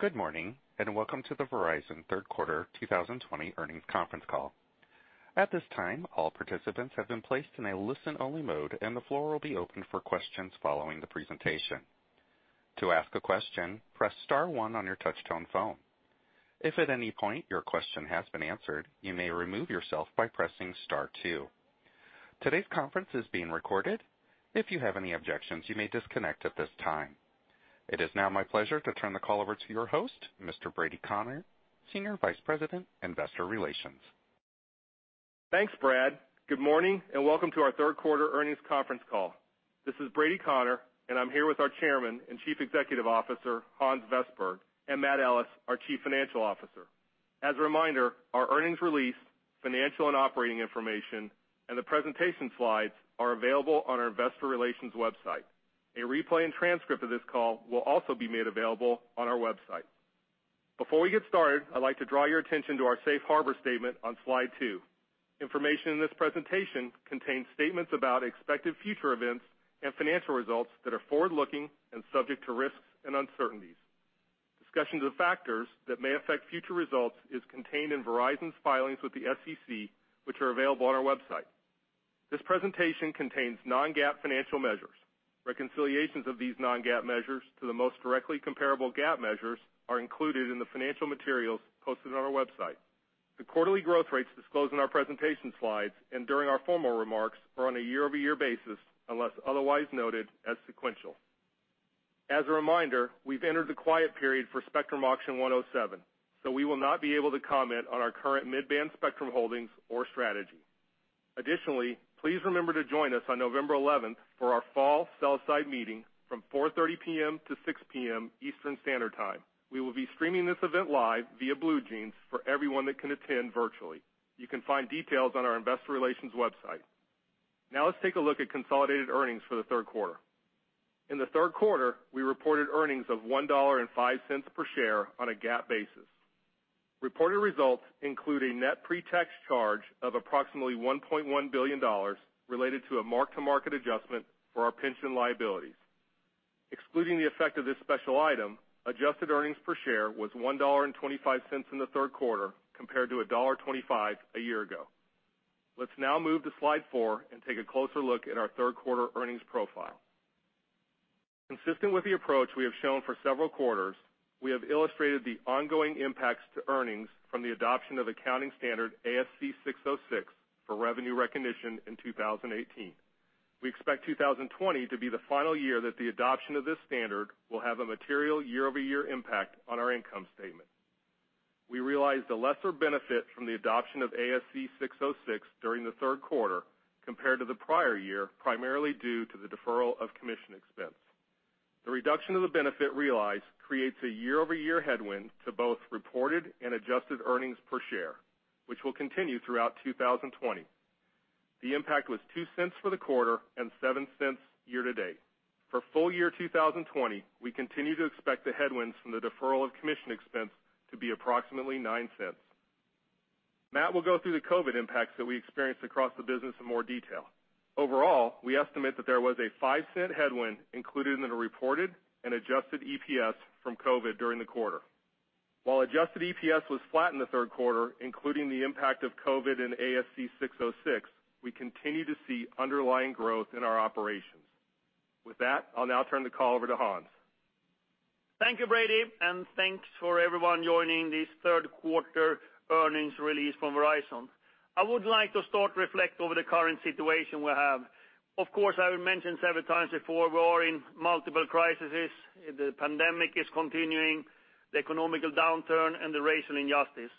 Good morning. Welcome to the Verizon third quarter 2020 earnings conference call. At this time, all participants have been placed in a listen-only mode, and the floor will be open for questions following the presentation. To ask a question, press star one on your touch-tone phone. If at any point your question has been answered, you may remove yourself by pressing star two. Today's conference is being recorded. If you have any objections, you may disconnect at this time. It is now my pleasure to turn the call over to your host, Mr. Brady Connor, Senior Vice President, Investor Relations. Thanks, Brad. Good morning, and welcome to our third quarter earnings conference call. This is Brady Connor, and I'm here with our Chairman and Chief Executive Officer, Hans Vestberg, and Matt Ellis, our Chief Financial Officer. As a reminder, our earnings release, financial and operating information, and the presentation slides are available on our investor relations website. A replay and transcript of this call will also be made available on our website. Before we get started, I'd like to draw your attention to our safe harbor statement on slide two. Information in this presentation contains statements about expected future events and financial results that are forward-looking and subject to risks and uncertainties. Discussions of factors that may affect future results is contained in Verizon's filings with the SEC, which are available on our website. This presentation contains non-GAAP financial measures. Reconciliations of these non-GAAP measures to the most directly comparable GAAP measures are included in the financial materials posted on our website. The quarterly growth rates disclosed in our presentation slides and during our formal remarks are on a year-over-year basis, unless otherwise noted as sequential. As a reminder, we've entered a quiet period for Spectrum Auction 107, so we will not be able to comment on our current mid-band spectrum holdings or strategy. Additionally, please remember to join us on November 11th for our fall sell-side meeting from 4:30 P.M. to 6:00 P.M. Eastern Standard Time. We will be streaming this event live via BlueJeans for everyone that can attend virtually. You can find details on our investor relations website. Now let's take a look at consolidated earnings for the third quarter. In the third quarter, we reported earnings of $1.05 per share on a GAAP basis. Reported results include a net pre-tax charge of approximately $1.1 billion related to a mark-to-market adjustment for our pension liabilities. Excluding the effect of this special item, adjusted earnings per share was $1.25 in the third quarter, compared to $1.25 a year ago. Let's now move to slide four and take a closer look at our third quarter earnings profile. Consistent with the approach we have shown for several quarters, we have illustrated the ongoing impacts to earnings from the adoption of accounting standard ASC 606 for revenue recognition in 2018. We expect 2020 to be the final year that the adoption of this standard will have a material year-over-year impact on our income statement. We realized a lesser benefit from the adoption of ASC 606 during the third quarter compared to the prior year, primarily due to the deferral of commission expense. The reduction of the benefit realized creates a year-over-year headwind to both reported and adjusted earnings per share, which will continue throughout 2020. The impact was $0.02 for the quarter and $0.07 year-to-date. For full year 2020, we continue to expect the headwinds from the deferral of commission expense to be approximately $0.09. Matt will go through the COVID impacts that we experienced across the business in more detail. Overall, we estimate that there was a $0.05 headwind included in the reported and adjusted EPS from COVID during the quarter. While adjusted EPS was flat in the third quarter, including the impact of COVID and ASC 606, we continue to see underlying growth in our operations. With that, I'll now turn the call over to Hans. Thank you, Brady, and thanks for everyone joining this third quarter earnings release from Verizon. I would like to start reflect over the current situation we have. Of course, I would mention several times before, we are in multiple crises. The pandemic is continuing, the economic downturn, and the racial injustice.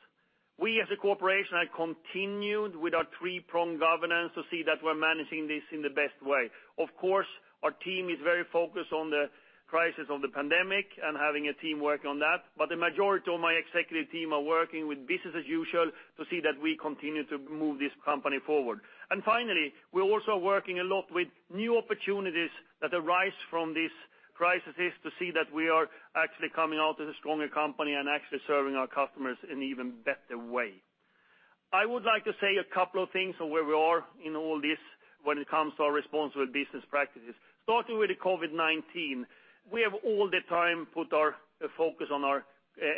We as a corporation have continued with our three-pronged governance to see that we're managing this in the best way. Of course, our team is very focused on the crisis of the pandemic and having a team working on that, but the majority of my executive team are working with business as usual to see that we continue to move this company forward. Finally, we're also working a lot with new opportunities that arise from these crises to see that we are actually coming out as a stronger company and actually serving our customers in an even better way. I would like to say a couple of things on where we are in all this when it comes to our responsible business practices. Starting with COVID-19, we have all the time put our focus on our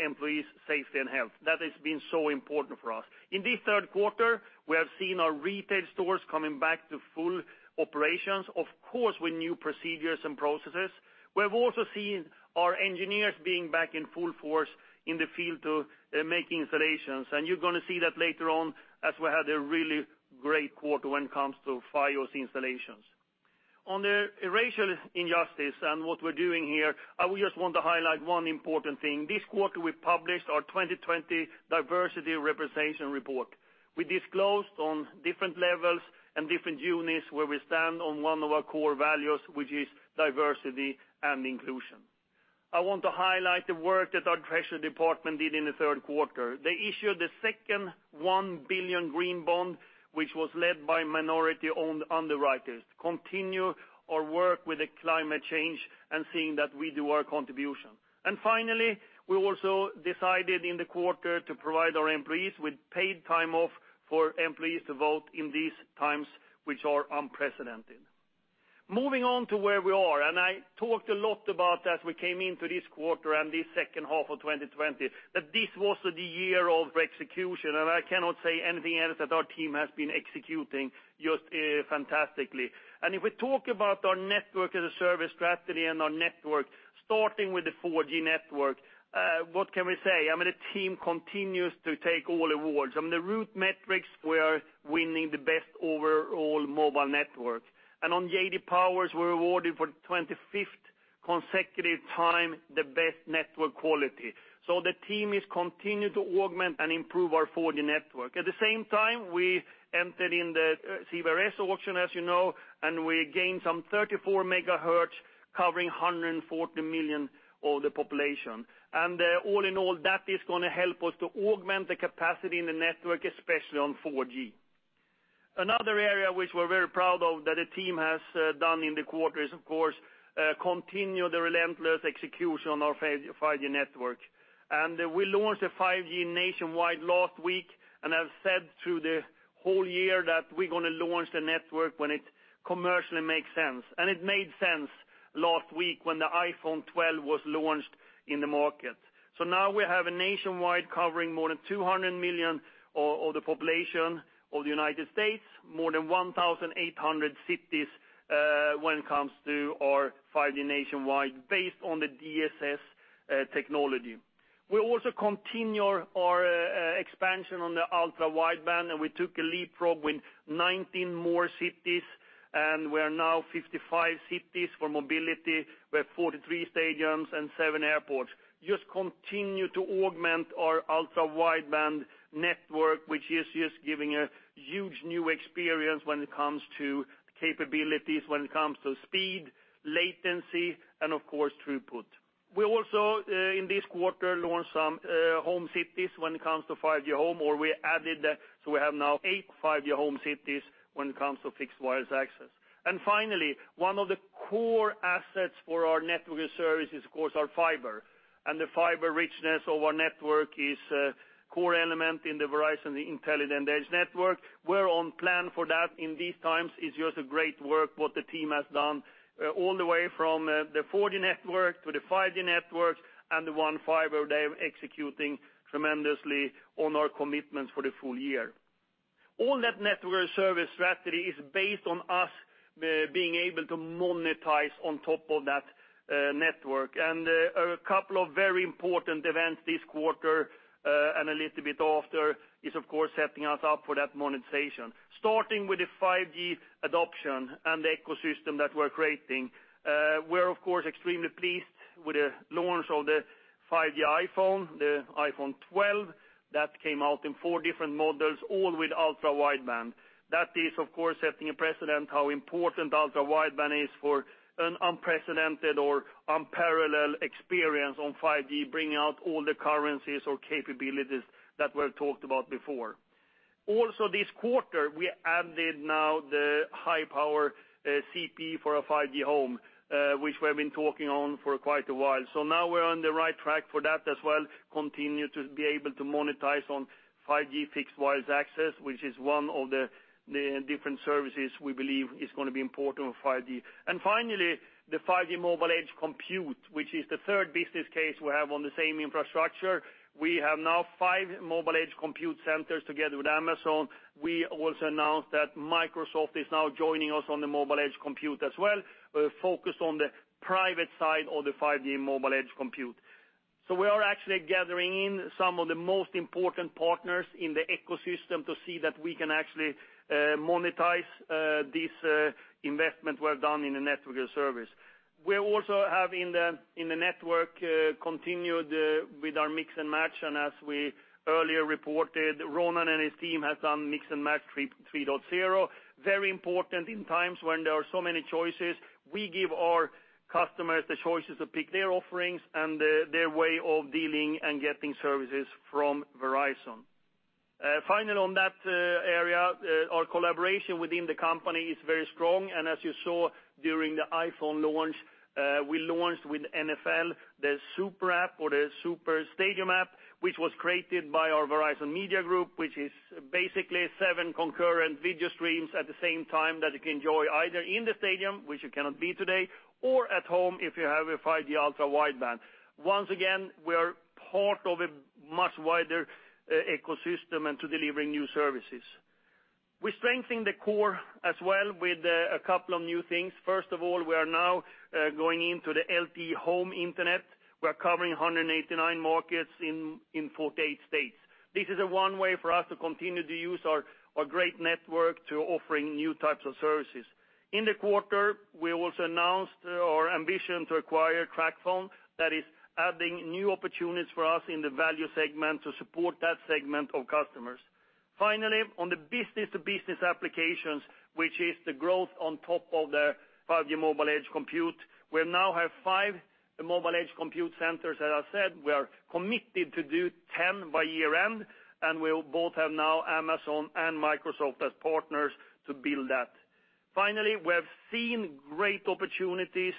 employees' safety and health. That has been so important for us. In this third quarter, we have seen our retail stores coming back to full operations, of course, with new procedures and processes. We have also seen our engineers being back in full force in the field to make installations, and you're going to see that later on as we had a really great quarter when it comes to Fios installations. On the racial injustice and what we're doing here, I just want to highlight one important thing. This quarter, we published our 2020 diversity representation report. We disclosed on different levels and different units where we stand on one of our core values, which is diversity and inclusion. I want to highlight the work that our treasury department did in the third quarter. They issued the second $1 billion green bond, which was led by minority-owned underwriters, continue our work with the climate change and seeing that we do our contribution. Finally, we also decided in the quarter to provide our employees with paid time off for employees to vote in these times which are unprecedented. Moving on to where we are. We came into this quarter and this second half of 2020, that this was the year of execution. I cannot say anything else that our team has been executing just fantastically. If we talk about our network as a service strategy and our network, starting with the 4G network, what can we say? I mean, the team continues to take all awards. On the RootMetrics, we are winning the best overall mobile network. On JD Power, we're awarded for the 25th consecutive time, the best network quality. The team is continuing to augment and improve our 4G network. At the same time, we entered in the CBRS auction, as you know. We gained some 34 MHz, covering 140 million of the population. All in all, that is going to help us to augment the capacity in the network, especially on 4G. Another area which we're very proud of that the team has done in the quarter is, of course, continue the relentless execution on our 5G network. We launched the 5G nationwide last week, and I've said through the whole year that we're going to launch the network when it commercially makes sense. It made sense last week when the iPhone 12 was launched in the market. Now we have a nationwide covering more than 200 million of the population of the United States, more than 1,800 cities when it comes to our 5G nationwide based on the DSS technology. We also continue our expansion on the Ultra Wideband, and we took a leapfrog with 19 more cities, and we are now 55 cities for mobility. We have 43 stadiums and seven airports. Continue to augment our Ultra Wideband network, which is just giving a huge new experience when it comes to capabilities, when it comes to speed, latency, and of course, throughput. We also, in this quarter, launched some home cities when it comes to 5G home. We have now eight 5G home cities when it comes to fixed wireless access. Finally, one of the core assets for our network services, of course, are fiber. The fiber richness of our network is a core element in the Verizon Intelligent Edge Network. We're on plan for that in these times. It's just a great work what the team has done, all the way from the 4G network to the 5G network and the One Fiber. They're executing tremendously on our commitments for the full year. All that network service strategy is based on us being able to monetize on top of that network. A couple of very important events this quarter, and a little bit after, is of course, setting us up for that monetization. Starting with the 5G adoption and the ecosystem that we're creating. We're of course, extremely pleased with the launch of the 5G iPhone, the iPhone 12, that came out in four different models, all with Ultra Wideband. That is, of course, setting a precedent how important Ultra Wideband is for an unprecedented or unparalleled experience on 5G, bringing out all the currencies or capabilities that were talked about before. Also this quarter, we added now the high-power CPE for a 5G home, which we've been talking on for quite a while. Now we're on the right track for that as well. Continue to be able to monetize on 5G fixed wireless access, which is one of the different services we believe is going to be important for 5G. Finally, the 5G mobile edge compute, which is the third business case we have on the same infrastructure. We have now five mobile edge compute centers together with Amazon. We also announced that Microsoft is now joining us on the mobile edge compute as well, focused on the private side of the 5G mobile edge compute. We are actually gathering in some of the most important partners in the ecosystem to see that we can actually monetize this investment well done in the network service. We also have in the network, continued with our Mix and Match, and as we earlier reported, Ronan and his team has done Mix and Match 3.0. Very important in times when there are so many choices. We give our customers the choices to pick their offerings and their way of dealing and getting services from Verizon. On that area, our collaboration within the company is very strong. As you saw during the iPhone launch, we launched with NFL, the super app or the SuperStadium app, which was created by our Verizon Media Group, which is basically seven concurrent video streams at the same time that you can enjoy either in the stadium, which you cannot be today, or at home if you have a 5G Ultra Wideband. We are part of a much wider ecosystem and to delivering new services. We strengthen the core as well with a couple of new things. We are now going into the LTE Home Internet. We're covering 189 markets in 48 states. This is a one way for us to continue to use our great network to offering new types of services. In the quarter, we also announced our ambition to acquire TracFone. That is adding new opportunities for us in the value segment to support that segment of customers. Finally, on the business-to-business applications, which is the growth on top of the 5G mobile edge compute, we now have five mobile edge compute centers. As I said, we are committed to do 10 by year-end, and we'll both have now Amazon and Microsoft as partners to build that. Finally, we have seen great opportunities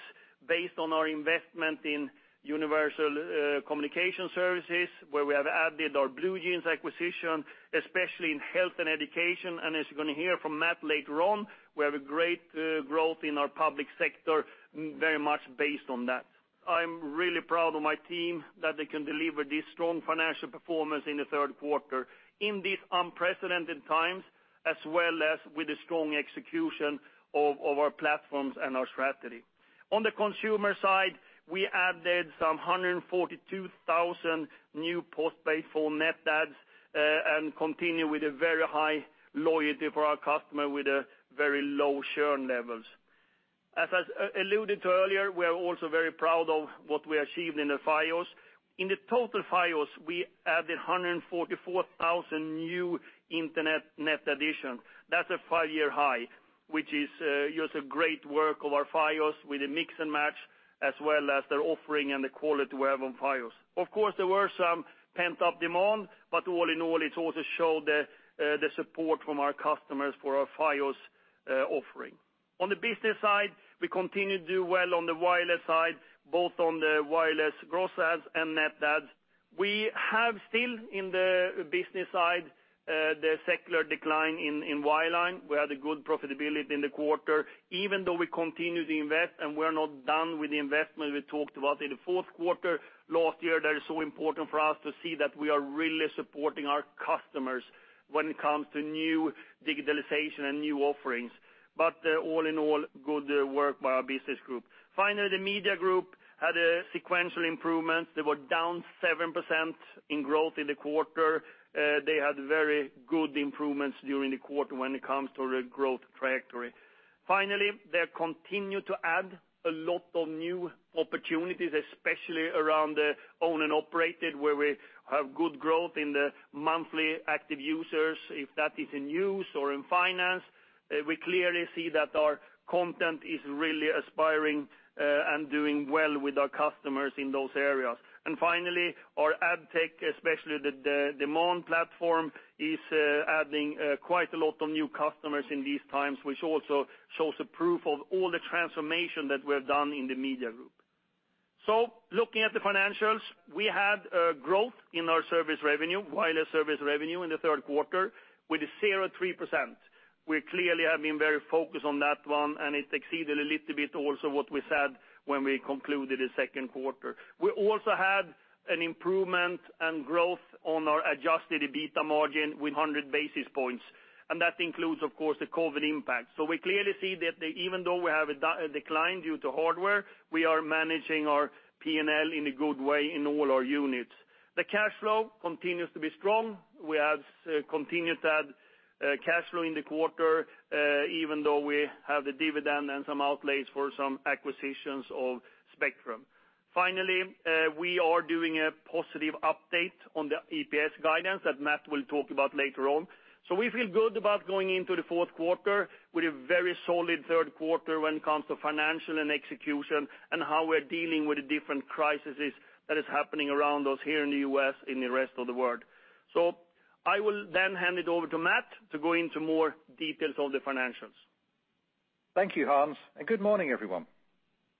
based on our investment in universal communication services, where we have added our BlueJeans acquisition, especially in health and education. As you're going to hear from Matt later on, we have a great growth in our public sector, very much based on that. I'm really proud of my team that they can deliver this strong financial performance in the third quarter in these unprecedented times, as well as with the strong execution of our platforms and our strategy. On the consumer side, we added some 142,000 new postpaid phone net adds, and continue with a very high loyalty for our customer with very low churn levels. As I alluded to earlier, we are also very proud of what we achieved in the Fios. In the total Fios, we added 144,000 new internet net addition. That's a five-year high, which is just a great work of our Fios with a Mix and Match, as well as their offering and the quality we have on Fios. Of course, there were some pent-up demand, but all in all, it also showed the support from our customers for our Fios offering. On the business side, we continue to do well on the wireless side, both on the wireless gross adds and net adds. We have still, in the business side, the secular decline in wireline. We had a good profitability in the quarter, even though we continue to invest, and we're not done with the investment we talked about in the fourth quarter last year, that is so important for us to see that we are really supporting our customers when it comes to new digitalization and new offerings. All in all, good work by our Business Group. Finally, the Media Group had a sequential improvement. They were down 7% in growth in the quarter. They had very good improvements during the quarter when it comes to the growth trajectory. Finally, they continue to add a lot of new opportunities, especially around the owned and operated, where we have good growth in the monthly active users, if that is in news or in finance. We clearly see that our content is really aspiring and doing well with our customers in those areas. Finally, our ad tech, especially the demand platform, is adding quite a lot of new customers in these times, which also shows the proof of all the transformation that we have done in the Media Group. Looking at the financials, we had a growth in our service revenue, wireless service revenue in the third quarter with 0.3%. We clearly have been very focused on that one, and it exceeded a little bit also what we said when we concluded the second quarter. We also had an improvement and growth on our adjusted EBITDA margin with 100 basis points. That includes, of course, the COVID impact. We clearly see that even though we have a decline due to hardware, we are managing our P&L in a good way in all our units. The cash flow continues to be strong. We have continued to add cash flow in the quarter, even though we have the dividend and some outlays for some acquisitions of spectrum. Finally, we are doing a positive update on the EPS guidance that Matt will talk about later on. We feel good about going into the fourth quarter with a very solid third quarter when it comes to financial and execution and how we're dealing with the different crises that is happening around us here in the U.S., in the rest of the world. I will then hand it over to Matt to go into more details on the financials. Thank you, Hans, and good morning, everyone.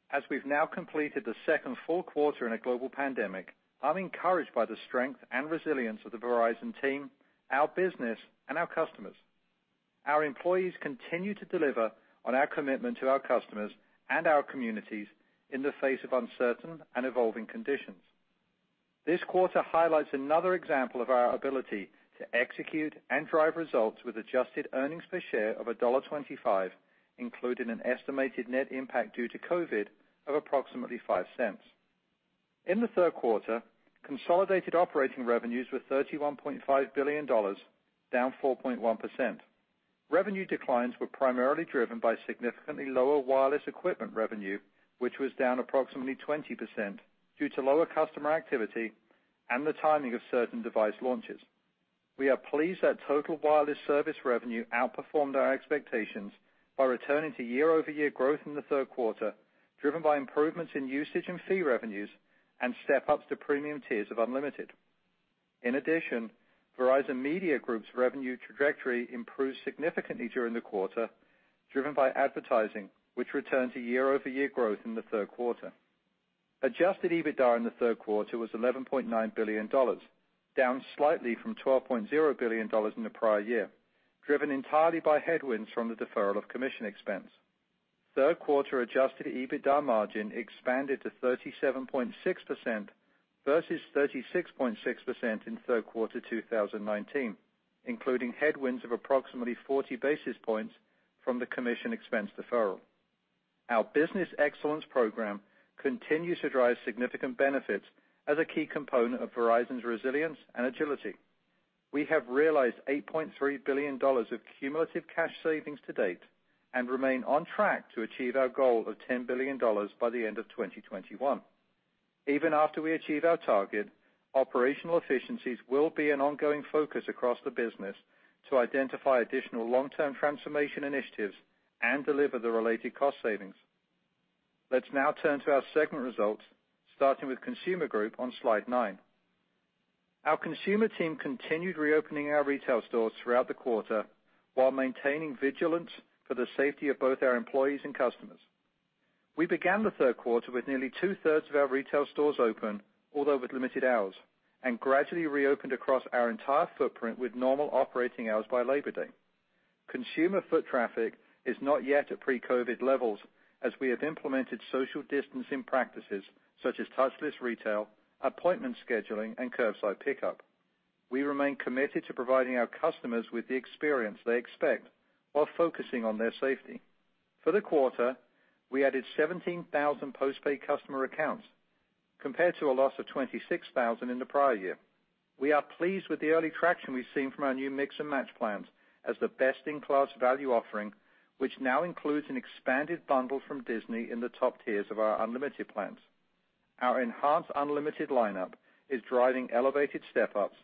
As we've now completed the second full quarter in a global pandemic, I'm encouraged by the strength and resilience of the Verizon team, our business, and our customers. Our employees continue to deliver on our commitment to our customers and our communities in the face of uncertain and evolving conditions. This quarter highlights another example of our ability to execute and drive results with adjusted earnings per share of $1.25, including an estimated net impact due to COVID of approximately $0.05. In the third quarter, consolidated operating revenues were $31.5 billion, down 4.1%. Revenue declines were primarily driven by significantly lower wireless equipment revenue, which was down approximately 20% due to lower customer activity and the timing of certain device launches. We are pleased that total wireless service revenue outperformed our expectations by returning to year-over-year growth in the third quarter, driven by improvements in usage and fee revenues and step-ups to premium tiers of unlimited. In addition, Verizon Media Group's revenue trajectory improved significantly during the quarter, driven by advertising, which returned to year-over-year growth in the third quarter. Adjusted EBITDA in the third quarter was $11.9 billion, down slightly from $12.0 billion in the prior year, driven entirely by headwinds from the deferral of commission expense. Third quarter adjusted EBITDA margin expanded to 37.6% versus 36.6% in third quarter 2019, including headwinds of approximately 40 basis points from the commission expense deferral. Our business excellence program continues to drive significant benefits as a key component of Verizon's resilience and agility. We have realized $8.3 billion of cumulative cash savings to date and remain on track to achieve our goal of $10 billion by the end of 2021. Even after we achieve our target, operational efficiencies will be an ongoing focus across the business to identify additional long-term transformation initiatives and deliver the related cost savings. Let's now turn to our segment results, starting with Consumer Group on slide nine. Our consumer team continued reopening our retail stores throughout the quarter while maintaining vigilance for the safety of both our employees and customers. We began the third quarter with nearly 2/3 of our retail stores open, although with limited hours, and gradually reopened across our entire footprint with normal operating hours by Labor Day. Consumer foot traffic is not yet at pre-COVID levels, as we have implemented social distancing practices such as touchless retail, appointment scheduling, and curbside pickup. We remain committed to providing our customers with the experience they expect while focusing on their safety. For the quarter, we added 17,000 postpaid customer accounts, compared to a loss of 26,000 in the prior year. We are pleased with the early traction we've seen from our new Mix and Match plans as the best-in-class value offering, which now includes an expanded bundle from Disney in the top tiers of our unlimited plans. Our enhanced unlimited lineup is driving elevated step-ups,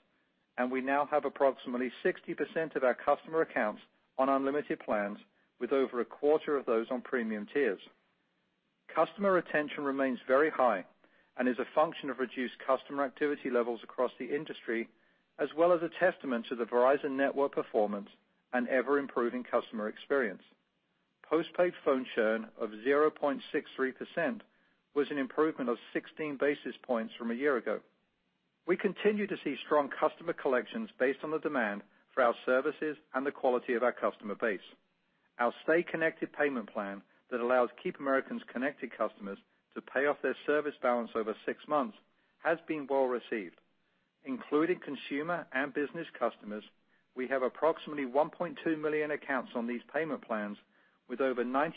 we now have approximately 60% of our customer accounts on unlimited plans, with over a quarter of those on premium tiers. Customer retention remains very high and is a function of reduced customer activity levels across the industry, as well as a testament to the Verizon network performance and ever-improving customer experience. Postpaid phone churn of 0.63% was an improvement of 16 basis points from a year ago. We continue to see strong customer collections based on the demand for our services and the quality of our customer base. Our Stay Connected payment plan that allows Keep Americans Connected customers to pay off their service balance over six months has been well received. Including consumer and business customers, we have approximately 1.2 million accounts on these payment plans, with over 90%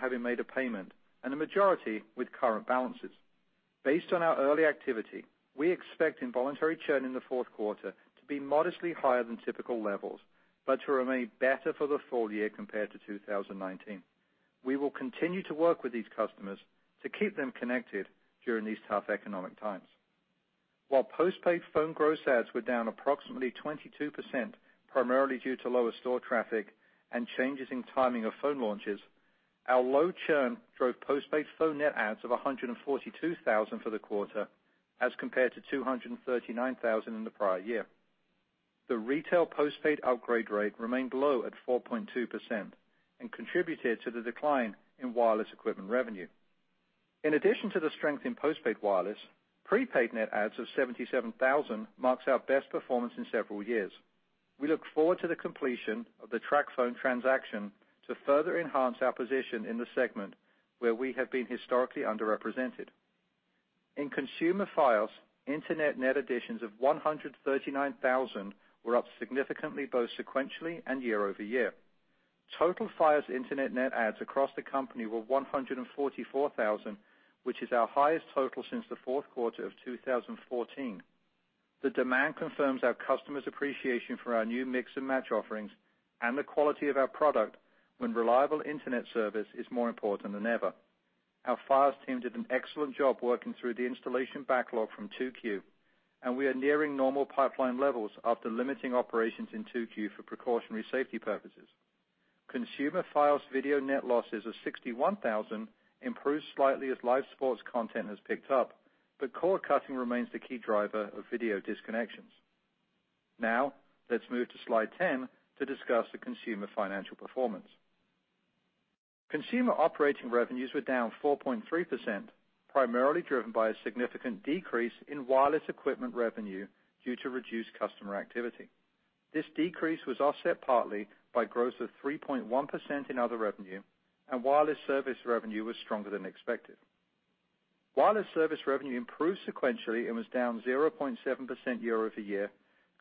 having made a payment, and the majority with current balances. Based on our early activity, we expect involuntary churn in the fourth quarter to be modestly higher than typical levels, but to remain better for the full year compared to 2019. We will continue to work with these customers to keep them connected during these tough economic times. While postpaid phone gross adds were down approximately 22%, primarily due to lower store traffic and changes in timing of phone launches, our low churn drove postpaid phone net adds of 142,000 for the quarter as compared to 239,000 in the prior year. The retail postpaid upgrade rate remained low at 4.2% and contributed to the decline in wireless equipment revenue. In addition to the strength in postpaid wireless, prepaid net adds of 77,000 marks our best performance in several years. We look forward to the completion of the TracFone transaction to further enhance our position in the segment where we have been historically underrepresented. In consumer Fios, internet net additions of 139,000 were up significantly, both sequentially and year-over-year. Total Fios internet net adds across the company were 144,000, which is our highest total since the fourth quarter of 2014. The demand confirms our customers' appreciation for our new Mix and Match offerings and the quality of our product when reliable internet service is more important than ever. Our Fios team did an excellent job working through the installation backlog from Q2, and we are nearing normal pipeline levels after limiting operations in Q2 for precautionary safety purposes. Consumer Fios video net losses of 61,000 improved slightly as live sports content has picked up, but cord cutting remains the key driver of video disconnections. Now, let's move to slide 10 to discuss the consumer financial performance. Consumer operating revenues were down 4.3%, primarily driven by a significant decrease in wireless equipment revenue due to reduced customer activity. This decrease was offset partly by growth of 3.1% in other revenue, and wireless service revenue was stronger than expected. Wireless service revenue improved sequentially and was down 0.7% year-over-year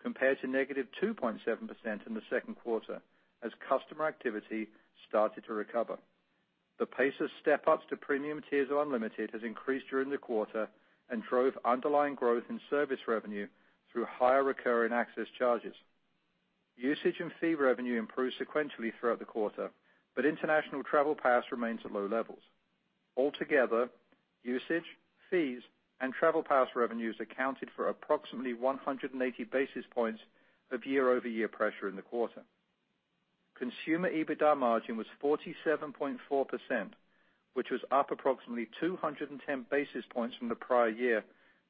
compared to -2.7% in the second quarter as customer activity started to recover. The pace of step-ups to premium tiers of Unlimited has increased during the quarter and drove underlying growth in service revenue through higher recurring access charges. Usage and fee revenue improved sequentially throughout the quarter, but international travel pass remains at low levels. Altogether, usage, fees, and travel pass revenues accounted for approximately 180 basis points of year-over-year pressure in the quarter. Consumer EBITDA margin was 47.4%, which was up approximately 210 basis points from the prior year,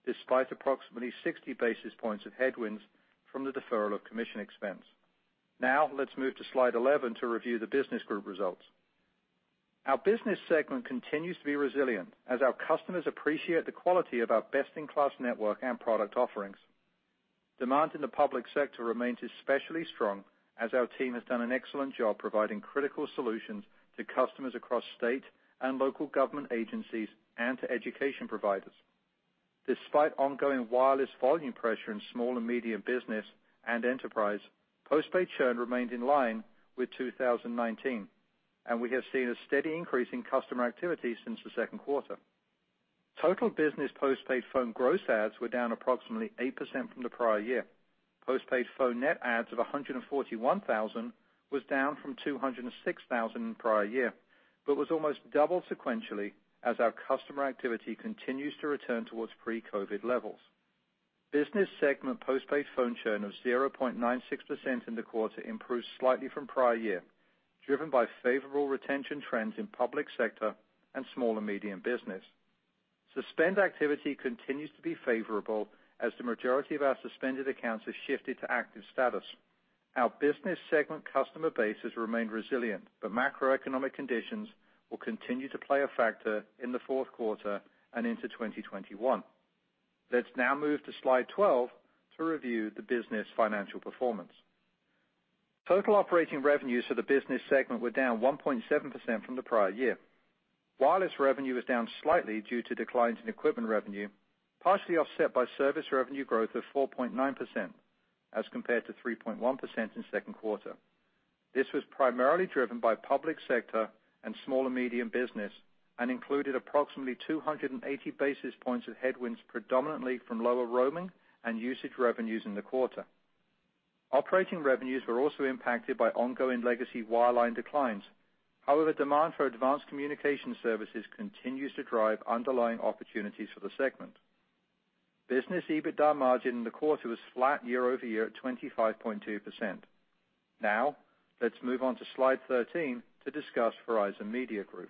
despite approximately 60 basis points of headwinds from the deferral of commission expense. Now, let's move to slide 11 to review the business group results. Our Business segment continues to be resilient as our customers appreciate the quality of our best-in-class network and product offerings. Demand in the public sector remains especially strong as our team has done an excellent job providing critical solutions to customers across state and local government agencies and to education providers. Despite ongoing wireless volume pressure in small and medium business and enterprise, postpaid churn remained in line with 2019, and we have seen a steady increase in customer activity since the second quarter. Total business postpaid phone gross adds were down approximately 8% from the prior year. Postpaid phone net adds of 141,000 was down from 206,000 in the prior year, but was almost double sequentially as our customer activity continues to return towards pre-COVID-19 levels. Business Segment postpaid phone churn of 0.96% in the quarter improved slightly from prior year, driven by favorable retention trends in public sector and small and medium business. Suspend activity continues to be favorable as the majority of our suspended accounts have shifted to active status. Our Business Segment customer base has remained resilient, but macroeconomic conditions will continue to play a factor in the fourth quarter and into 2021. Let's now move to slide 12 to review the Business financial performance. Total operating revenues for the Business Segment were down 1.7% from the prior year. wireless revenue is down slightly due to declines in equipment revenue, partially offset by service revenue growth of 4.9% as compared to 3.1% in second quarter. This was primarily driven by public sector and small and medium business, and included approximately 280 basis points of headwinds, predominantly from lower roaming and usage revenues in the quarter. Operating revenues were also impacted by ongoing legacy wireline declines. However, demand for advanced communication services continues to drive underlying opportunities for the segment. Business EBITDA margin in the quarter was flat year-over-year at 25.2%. Now, let's move on to Slide 13 to discuss Verizon Media Group.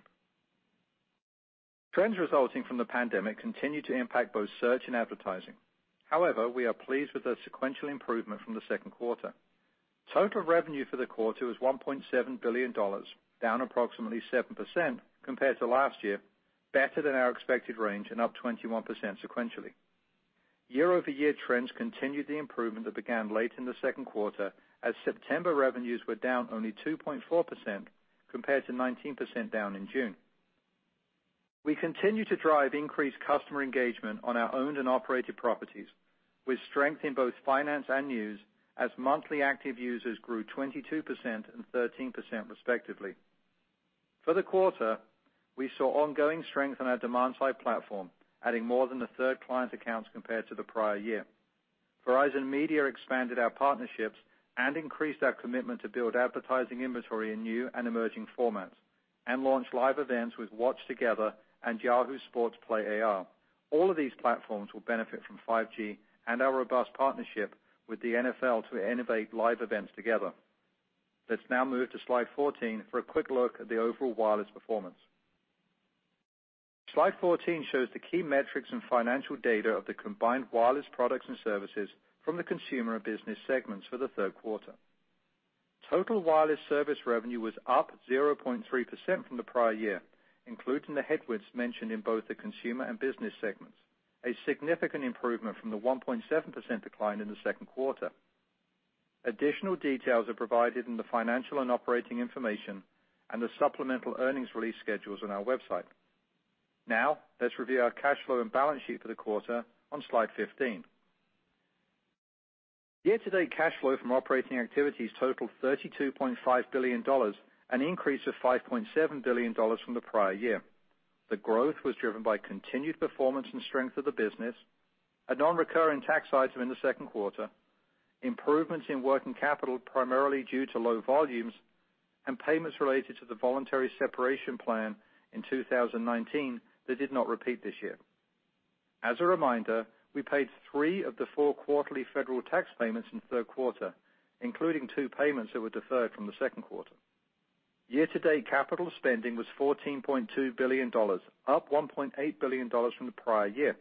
Trends resulting from the pandemic continue to impact both search and advertising. However, we are pleased with the sequential improvement from the second quarter. Total revenue for the quarter was $1.7 billion, down approximately 7% compared to last year, better than our expected range and up 21% sequentially. Year-over-year trends continued the improvement that began late in the second quarter, as September revenues were down only 2.4% compared to 19% down in June. We continue to drive increased customer engagement on our owned and operated properties with strength in both finance and news, as monthly active users grew 22% and 13% respectively. For the quarter, we saw ongoing strength on our demand side platform, adding more than the third client accounts compared to the prior year. Verizon Media expanded our partnerships and increased our commitment to build advertising inventory in new and emerging formats, and launched live events with Watch Together and Yahoo Sports PlayAR. All of these platforms will benefit from 5G and our robust partnership with the NFL to innovate live events together. Let's now move to slide 14 for a quick look at the overall wireless performance. Slide 14 shows the key metrics and financial data of the combined wireless products and services from the consumer and business segments for the third quarter. Total wireless service revenue was up 0.3% from the prior year, including the headwinds mentioned in both the consumer and business segments, a significant improvement from the 1.7% decline in the second quarter. Additional details are provided in the financial and operating information and the supplemental earnings release schedules on our website. Let's review our cash flow and balance sheet for the quarter on slide 15. Year-to-date cash flow from operating activities totaled $32.5 billion, an increase of $5.7 billion from the prior year. The growth was driven by continued performance and strength of the business, a non-recurring tax item in the second quarter, improvements in working capital, primarily due to low volumes, and payments related to the voluntary separation plan in 2019 that did not repeat this year. As a reminder, we paid three of the four quarterly federal tax payments in third quarter, including two payments that were deferred from the second quarter. Year to date capital spending was $14.2 billion, up $1.8 billion from the prior year.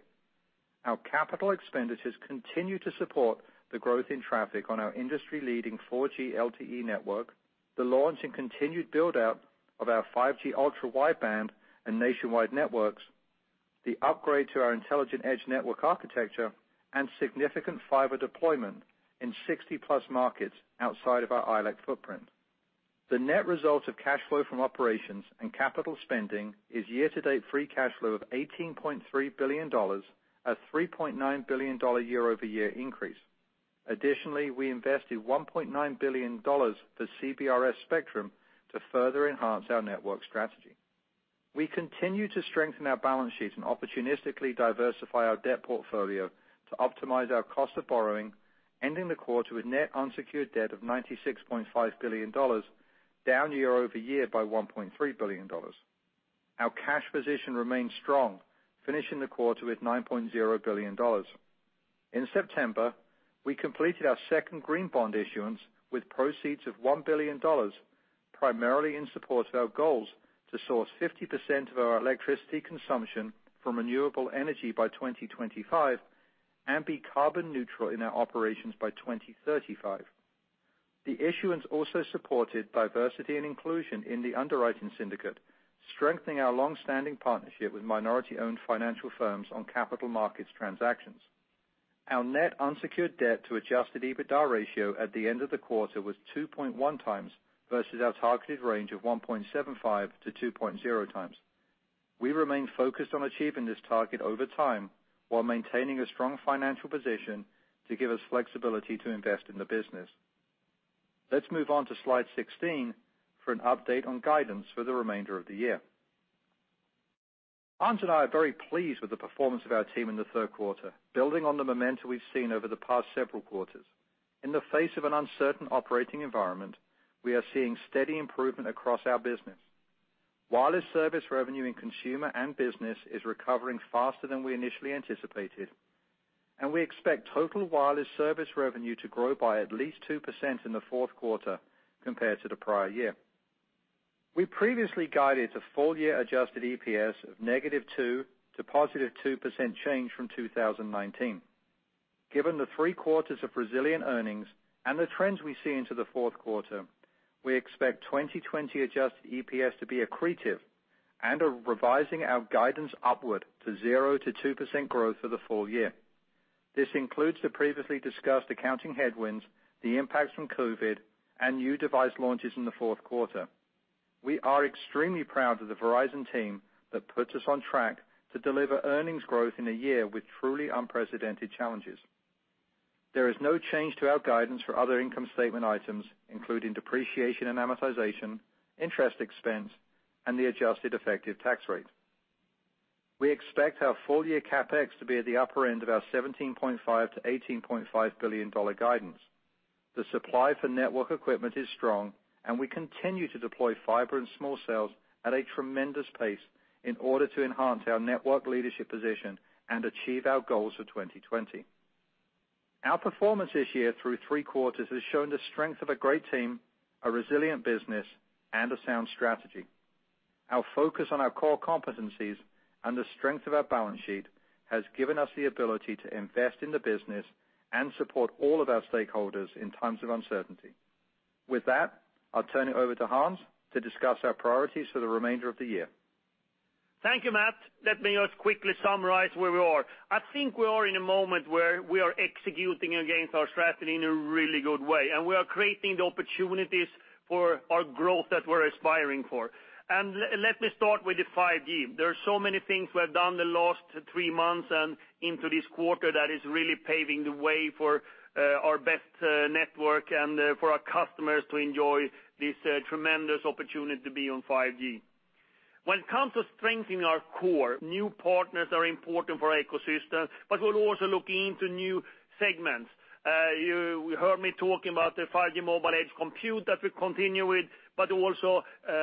Our capital expenditures continue to support the growth in traffic on our industry leading 4G LTE network, the launch and continued build-out of our 5G Ultra Wideband and nationwide networks, the upgrade to our Intelligent Edge Network architecture, and significant fiber deployment in 60 plus markets outside of our ILEC footprint. The net result of cash flow from operations and capital spending is year-to-date free cash flow of $18.3 billion, a $3.9 billion year-over-year increase. Additionally, we invested $1.9 billion for CBRS spectrum to further enhance our network strategy. We continue to strengthen our balance sheet and opportunistically diversify our debt portfolio to optimize our cost of borrowing, ending the quarter with net unsecured debt of $96.5 billion, down year-over-year by $1.3 billion. Our cash position remains strong, finishing the quarter with $9.0 billion. In September, we completed our second green bond issuance with proceeds of $1 billion, primarily in support of our goals to source 50% of our electricity consumption from renewable energy by 2025 and be carbon neutral in our operations by 2035. The issuance also supported diversity and inclusion in the underwriting syndicate, strengthening our long-standing partnership with minority-owned financial firms on capital markets transactions. Our net unsecured debt to adjusted EBITDA ratio at the end of the quarter was 2.1x versus our targeted range of 1.75-2.0x. We remain focused on achieving this target over time while maintaining a strong financial position to give us flexibility to invest in the business. Let's move on to slide 16 for an update on guidance for the remainder of the year. Hans and I are very pleased with the performance of our team in the third quarter, building on the momentum we've seen over the past several quarters. In the face of an uncertain operating environment, we are seeing steady improvement across our business. Wireless service revenue in consumer and business is recovering faster than we initially anticipated, and we expect total wireless service revenue to grow by at least 2% in the fourth quarter compared to the prior year. We previously guided to full-year adjusted EPS of -2% to +2% change from 2019. Given the three quarters of resilient earnings and the trends we see into the fourth quarter, we expect 2020 adjusted EPS to be accretive and are revising our guidance upward to 0%-2% growth for the full year. This includes the previously discussed accounting headwinds, the impacts from COVID, and new device launches in the fourth quarter. We are extremely proud of the Verizon team that puts us on track to deliver earnings growth in a year with truly unprecedented challenges. There is no change to our guidance for other income statement items, including depreciation and amortization, interest expense, and the adjusted effective tax rate. We expect our full-year CapEx to be at the upper end of our $17.5 billion-$18.5 billion guidance. The supply for network equipment is strong, and we continue to deploy fiber and small cells at a tremendous pace in order to enhance our network leadership position and achieve our goals for 2020. Our performance this year through three quarters has shown the strength of a great team, a resilient business, and a sound strategy. Our focus on our core competencies and the strength of our balance sheet has given us the ability to invest in the business and support all of our stakeholders in times of uncertainty. With that, I'll turn it over to Hans to discuss our priorities for the remainder of the year. Thank you, Matt. Let me just quickly summarize where we are. I think we are in a moment where we are executing against our strategy in a really good way. We are creating the opportunities for our growth that we're aspiring for. Let me start with the 5G. There are so many things we have done in the last three months and into this quarter that is really paving the way for our best network and for our customers to enjoy this tremendous opportunity to be on 5G. When it comes to strengthening our core, new partners are important for our ecosystem. We're also looking into new segments. You heard me talking about the 5G mobile edge compute that we continue with, but also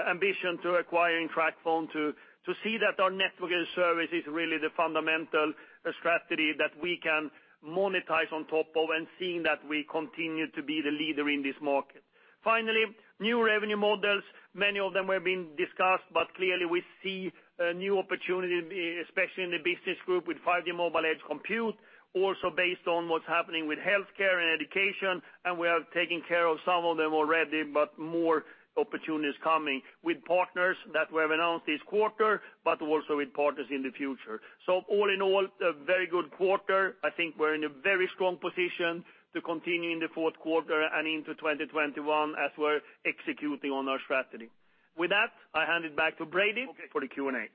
ambition to acquiring TracFone to see that our network and service is really the fundamental strategy that we can monetize on top of and seeing that we continue to be the leader in this market. Finally, new revenue models. Many of them were being discussed, but clearly, we see new opportunities, especially in the business group with 5G mobile edge compute, also based on what's happening with healthcare and education, and we are taking care of some of them already, but more opportunities coming with partners that we have announced this quarter, but also with partners in the future. All in all, a very good quarter. I think we're in a very strong position to continue in the fourth quarter and into 2021 as we're executing on our strategy. With that, I hand it back to Brady for the Q&A.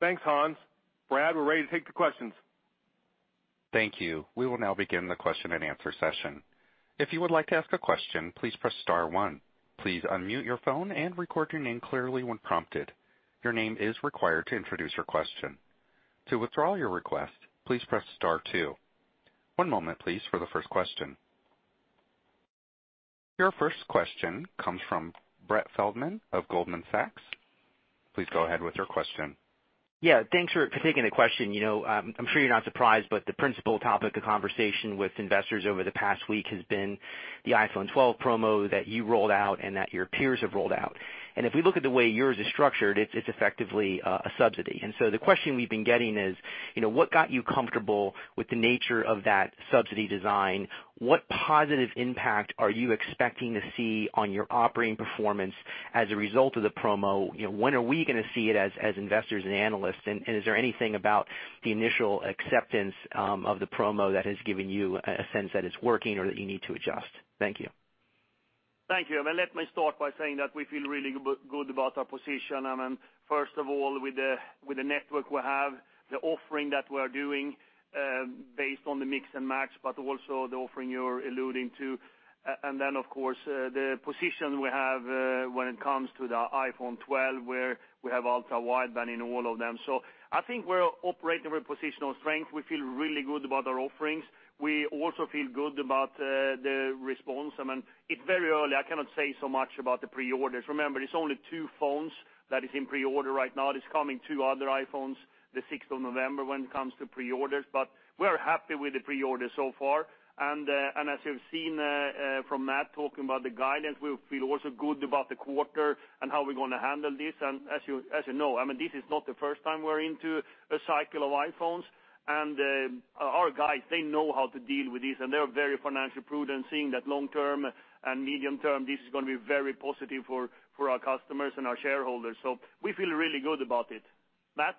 Thanks, Hans. Brad, we're ready to take the questions. Thank you. We will now begin the question-and-answer session. If you would like to ask a question, please press star one. Please unmute your phone and record your name clearly when prompted. Your name is required to introduce your question. To withdraw your request, please press star two. One moment, please, for the first question. Your first question comes from Brett Feldman of Goldman Sachs. Please go ahead with your question. Yeah, thanks for taking the question. I'm sure you're not surprised, the principal topic of conversation with investors over the past week has been the iPhone 12 promo that you rolled out and that your peers have rolled out. If we look at the way yours is structured, it's effectively a subsidy. The question we've been getting is, what got you comfortable with the nature of that subsidy design? What positive impact are you expecting to see on your operating performance as a result of the promo? When are we going to see it as investors and analysts? Is there anything about the initial acceptance of the promo that has given you a sense that it's working or that you need to adjust? Thank you. Thank you. Let me start by saying that we feel really good about our position. First of all, with the network we have, the offering that we are doing, based on the Mix and Match, but also the offering you're alluding to, and then, of course, the position we have when it comes to the iPhone 12, where we have Ultra Wideband in all of them. I think we're operating with positional strength. We feel really good about our offerings. We also feel good about the response. It's very early. I cannot say so much about the pre-orders. Remember, it's only two phones that is in pre-order right now. There's coming two other iPhones, the 6th of November, when it comes to pre-orders, but we're happy with the pre-orders so far. As you've seen from Matt talking about the guidance, we feel also good about the quarter and how we're going to handle this. As you know, this is not the first time we're into a cycle of iPhones. Our guys, they know how to deal with this, and they're very financially prudent, seeing that long term and medium term, this is going to be very positive for our customers and our shareholders. We feel really good about it. Matt?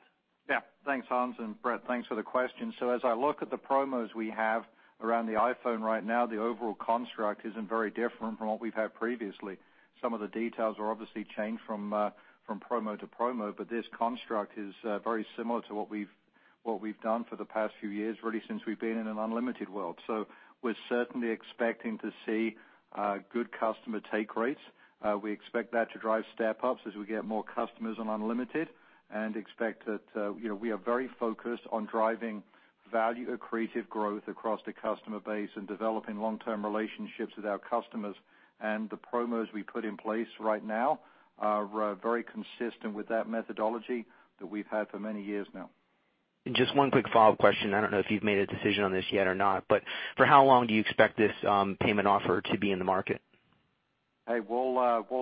Yeah. Thanks, Hans, and Brett, thanks for the question. As I look at the promos we have around the iPhone right now, the overall construct isn't very different from what we've had previously. Some of the details are obviously changed from promo to promo, but this construct is very similar to what we've done for the past few years, really since we've been in an unlimited world. We're certainly expecting to see good customer take rates. We expect that to drive step-ups as we get more customers on unlimited and expect that we are very focused on driving value-accretive growth across the customer base and developing long-term relationships with our customers. The promos we put in place right now are very consistent with that methodology that we've had for many years now. Just one quick follow-up question. I don't know if you've made a decision on this yet or not, for how long do you expect this payment offer to be in the market? Hey, we'll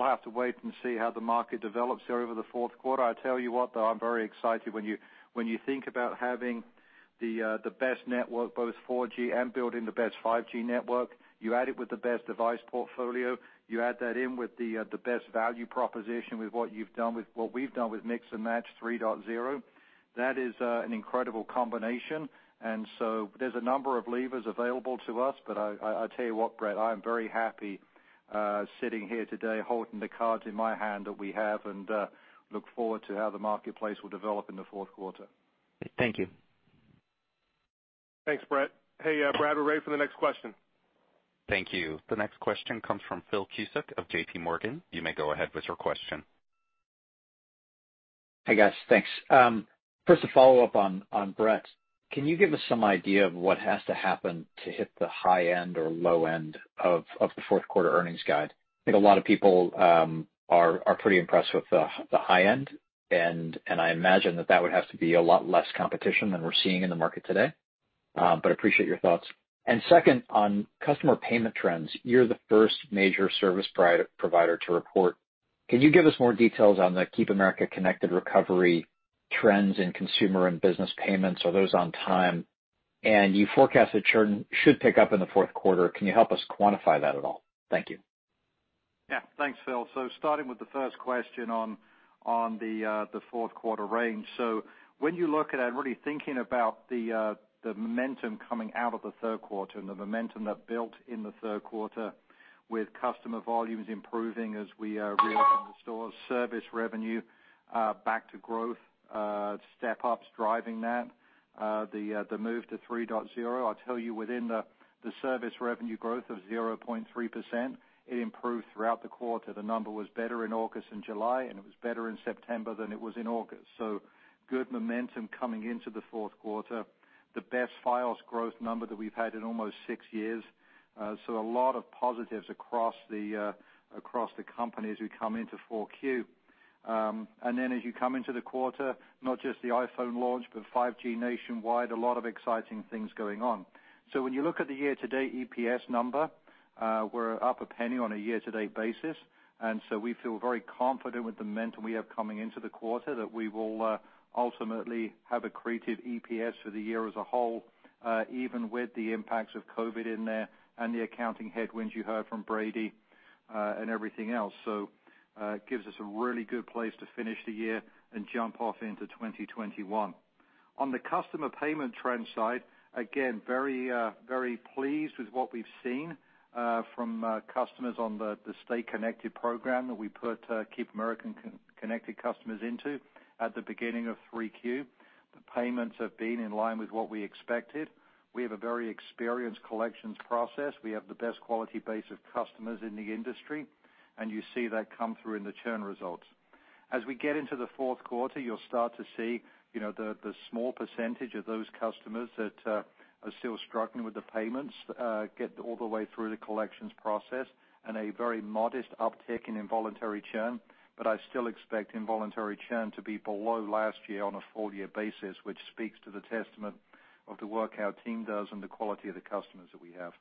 have to wait and see how the market develops here over the fourth quarter. I tell you what, though, I'm very excited when you think about having the best network, both 4G and building the best 5G network. You add it with the best device portfolio, you add that in with the best value proposition with what we've done with Mix and Match 3.0. That is an incredible combination. There's a number of levers available to us, but I tell you what, Brett, I am very happy sitting here today holding the cards in my hand that we have, and look forward to how the marketplace will develop in the fourth quarter. Thank you. Thanks, Brett. Hey, Brad, we're ready for the next question. Thank you. The next question comes from Phil Cusick of JPMorgan. You may go ahead with your question. Hey, guys. Thanks. First, a follow-up on Brett. Can you give us some idea of what has to happen to hit the high end or low end of the fourth quarter earnings guide? I think a lot of people are pretty impressed with the high end. I imagine that that would have to be a lot less competition than we're seeing in the market today. Appreciate your thoughts. Second, on customer payment trends, you're the first major service provider to report. Can you give us more details on the Keep Americans Connected recovery trends in consumer and business payments? Are those on time? You forecast that churn should pick up in the fourth quarter. Can you help us quantify that at all? Thank you. Thanks, Phil. Starting with the first question on the fourth quarter range. When you look at it, I'm really thinking about the momentum coming out of the third quarter and the momentum that built in the third quarter with customer volumes improving as we reopen the stores, service revenue back to growth, step-ups driving that, the move to 3.0. I'll tell you, within the service revenue growth of 0.3%, it improved throughout the quarter. The number was better in August and July, and it was better in September than it was in August. Good momentum coming into the fourth quarter. The best Fios growth number that we've had in almost six years. A lot of positives across the company as we come into Q4. As you come into the quarter, not just the iPhone launch, but 5G nationwide, a lot of exciting things going on. When you look at the year-to-date EPS number, we're up $0.01 on a year-to-date basis, we feel very confident with the momentum we have coming into the quarter that we will ultimately have accretive EPS for the year as a whole, even with the impacts of COVID in there and the accounting headwinds you heard from Brady and everything else. It gives us a really good place to finish the year and jump off into 2021. On the customer payment trend side, very pleased with what we've seen from customers on the Stay Connected program that we put Keep Americans Connected customers into at the beginning of Q3. The payments have been in line with what we expected. We have a very experienced collections process. We have the best quality base of customers in the industry, and you see that come through in the churn results. As we get into the fourth quarter, you'll start to see the small percentage of those customers that are still struggling with the payments get all the way through the collections process and a very modest uptick in involuntary churn. I still expect involuntary churn to be below last year on a full-year basis, which speaks to the testament of the work our team does and the quality of the customers that we have.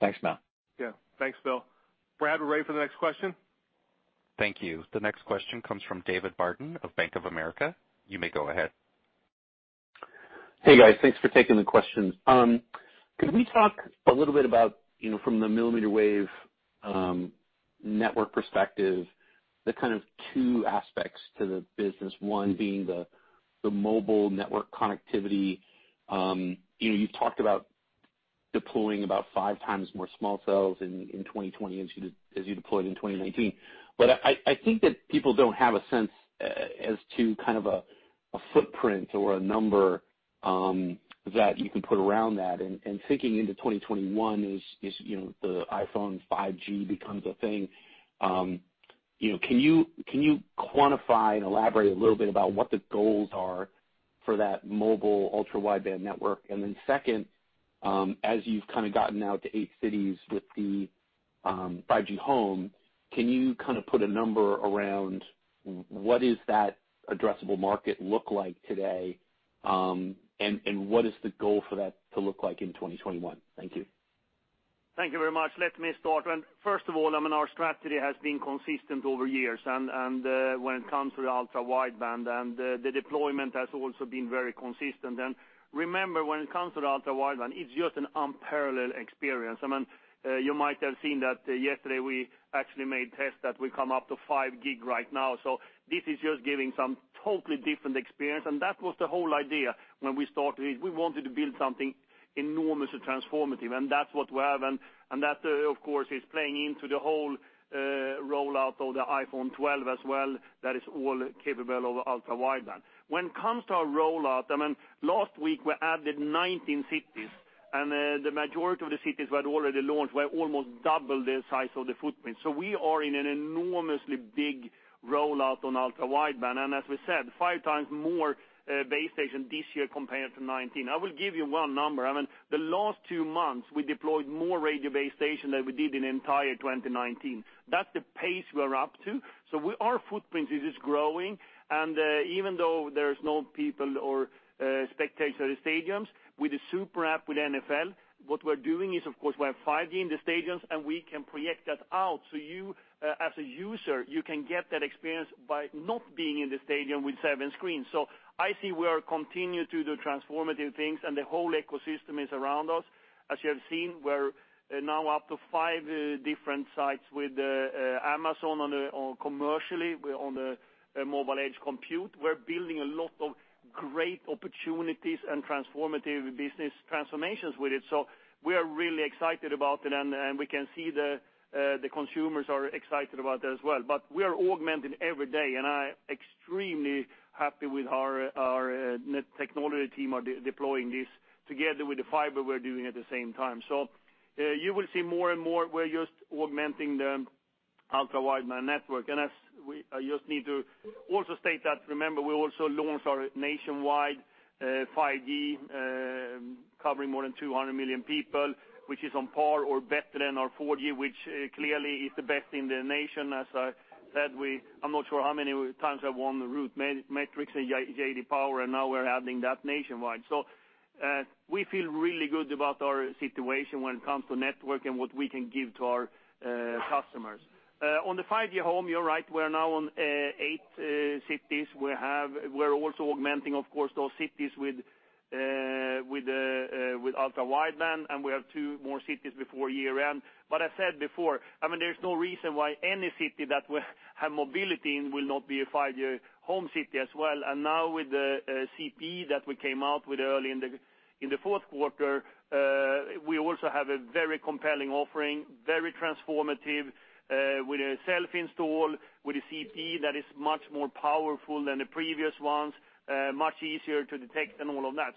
Thanks, Matt. Yeah. Thanks, Phil. Brad, we're ready for the next question. Thank you. The next question comes from David Barden of Bank of America. You may go ahead. Hey, guys. Thanks for taking the questions. Could we talk a little bit about from the millimeter wave network perspective, the kind of two aspects to the business, one being the mobile network connectivity. You've talked about deploying about 5x more small cells in 2020 as you deployed in 2019. I think that people don't have a sense as to kind of a footprint or a number that you can put around that. Thinking into 2021 is the iPhone 5G becomes a thing. Can you quantify and elaborate a little bit about what the goals are for that mobile Ultra Wideband network? Then second, as you've gotten out to eight cities with the 5G Home, can you put a number around what is that addressable market look like today? What is the goal for that to look like in 2021? Thank you. Thank you very much. Let me start. Our strategy has been consistent over years when it comes to Ultra Wideband, and the deployment has also been very consistent. Remember, when it comes to Ultra Wideband, it's just an unparalleled experience. You might have seen that yesterday we actually made tests that we come up to 5G right now. This is just giving some totally different experience, and that was the whole idea when we started it. We wanted to build something enormously transformative, and that's what we have. That, of course, is playing into the whole rollout of the iPhone 12 as well, that is all capable of Ultra Wideband. When it comes to our rollout, last week we added 19 cities, and the majority of the cities we had already launched were almost double the size of the footprint. We are in an enormously big rollout on Ultra Wideband. As we said, 5x more base stations this year compared to 2019. I will give you one number. The last two months, we deployed more radio base stations than we did in the entire 2019. That's the pace we're up to. Our footprint is just growing, and even though there's no people or spectators at the stadiums, with the super app with NFL, what we're doing is, of course, we have 5G in the stadiums, and we can project that out. You, as a user, you can get that experience by not being in the stadium with seven screens. I see we are continuing to do transformative things, and the whole ecosystem is around us. As you have seen, we're now up to five different sites with Amazon commercially, we're on the mobile edge compute. We're building a lot of great opportunities and transformative business transformations with it. We are really excited about it, and we can see the consumers are excited about it as well. We are augmenting every day, and I extremely happy with our net technology team are deploying this together with the fiber we're doing at the same time. You will see more and more. We're just augmenting the ultra wideband network. I just need to also state that, remember, we also launched our nationwide 5G, covering more than 200 million people, which is on par or better than our 4G, which clearly is the best in the nation. As I said, I'm not sure how many times I've won the RootMetrics and JD Power. Now we're adding that nationwide. We feel really good about our situation when it comes to network and what we can give to our customers. On the 5G Home, you're right, we're now on eight cities. We're also augmenting, of course, those cities with Ultra Wideband, and we have two more cities before year-end. I said before, there's no reason why any city that we have mobility in will not be a 5G Home city as well. Now with the CPE that we came out with early in the fourth quarter, we also have a very compelling offering, very transformative, with a self-install, with a CPE that is much more powerful than the previous ones, much easier to detect and all of that.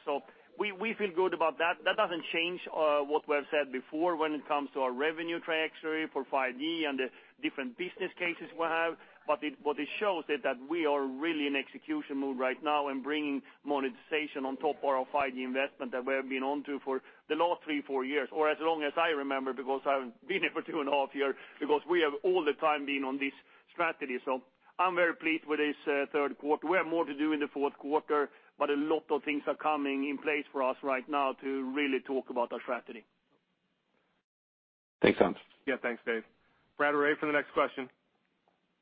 We feel good about that. That doesn't change what we have said before when it comes to our revenue trajectory for 5G and the different business cases we have. What it shows is that we are really in execution mode right now and bringing monetization on top of our 5G investment that we have been on to for the last three, four years, or as long as I remember, because I've been here for 2.5 Years, because we have all the time been on this strategy. I'm very pleased with this third quarter. We have more to do in the fourth quarter, but a lot of things are coming in place for us right now to really talk about our strategy. Thanks, Hans. Yeah, thanks, Dave. Operator, for the next question.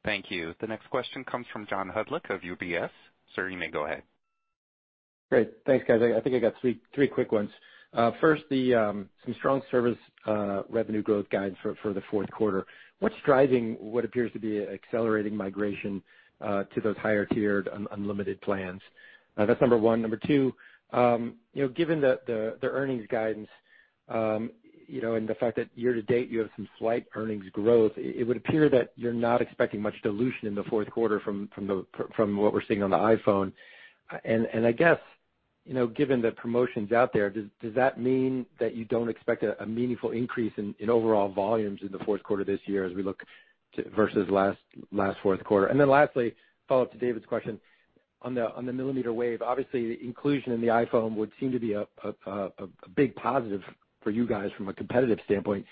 Thank you. The next question comes from John Hodulik of UBS. Sir, you may go ahead. Great. Thanks, guys. I think I got three quick ones. First, some strong service revenue growth guidance for the fourth quarter. What's driving what appears to be accelerating migration to those higher-tiered unlimited plans? That's number one. Number two, given the earnings guidance and the fact that year to date you have some slight earnings growth, it would appear that you're not expecting much dilution in the fourth quarter from what we're seeing on the iPhone. I guess, given the promotions out there, does that mean that you don't expect a meaningful increase in overall volumes in the fourth quarter this year versus last fourth quarter? Lastly, a follow-up to David's question. On the millimeter wave, obviously, the inclusion in the iPhone would seem to be a big positive for you guys from a competitive standpoint.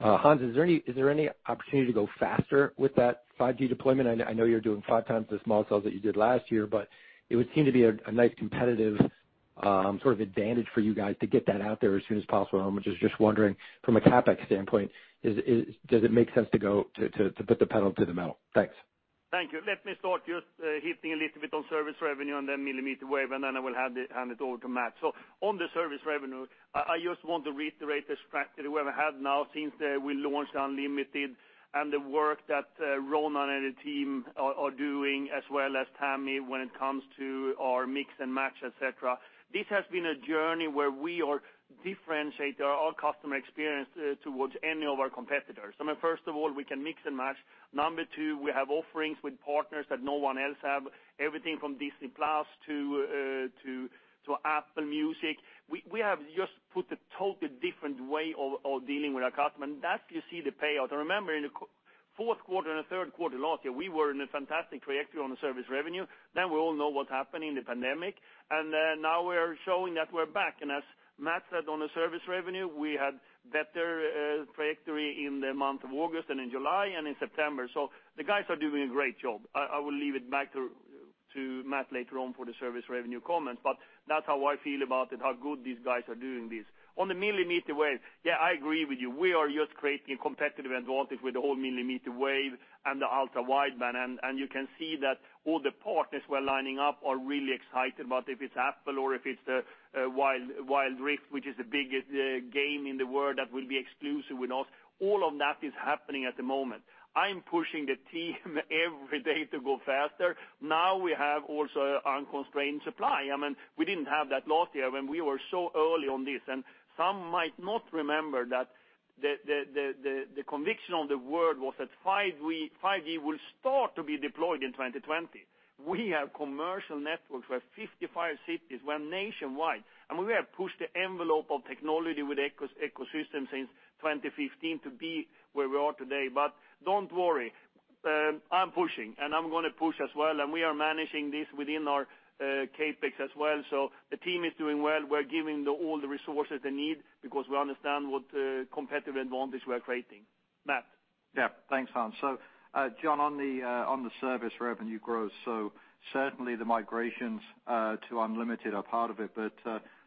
Hans, is there any opportunity to go faster with that 5G deployment? I know you're doing 5x the small cells that you did last year, but it would seem to be a nice competitive advantage for you guys to get that out there as soon as possible. I'm just wondering, from a CapEx standpoint, does it make sense to put the pedal to the metal? Thanks. Thank you. Let me start just hitting a little bit on service revenue and then millimeter wave, and then I will hand it over to Matt. On the service revenue, I just want to reiterate the strategy we have had now since we launched unlimited and the work that Ronan and the team are doing, as well as Tami, when it comes to our Mix and Match, et cetera. This has been a journey where we are differentiating our customer experience towards any of our competitors. First of all, we can Mix and Match. Number two, we have offerings with partners that no one else have, everything from Disney+ to Apple Music. We have just put a totally different way of dealing with our customer, and that you see the payout. Remember, in the fourth quarter and the third quarter last year, we were in a fantastic trajectory on the service revenue. We all know what happened in the pandemic. Now we're showing that we're back. As Matt said on the service revenue, we had better trajectory in the month of August and in July and in September. The guys are doing a great job. I will leave it back to Matt later on for the service revenue comments. That's how I feel about it, how good these guys are doing this. On the millimeter wave, yeah, I agree with you. We are just creating a competitive advantage with the whole millimeter wave and the Ultra Wideband. You can see that all the partners we're lining up are really excited about if it's Apple or if it's Wild Rift, which is the biggest game in the world that will be exclusive with us. All of that is happening at the moment. I'm pushing the team every day to go faster. We have also unconstrained supply. We didn't have that last year when we were so early on this. Some might not remember that the conviction of the word was that 5G will start to be deployed in 2020. We have commercial networks. We have 55 cities. We're nationwide, and we have pushed the envelope of technology with ecosystems since 2015 to be where we are today. Don't worry, I'm pushing, and I'm going to push as well, and we are managing this within our CapEx as well. The team is doing well. We're giving all the resources they need because we understand what competitive advantage we're creating. Matt? Yeah, thanks, Hans. John, on the service revenue growth, certainly the migrations to unlimited are part of it.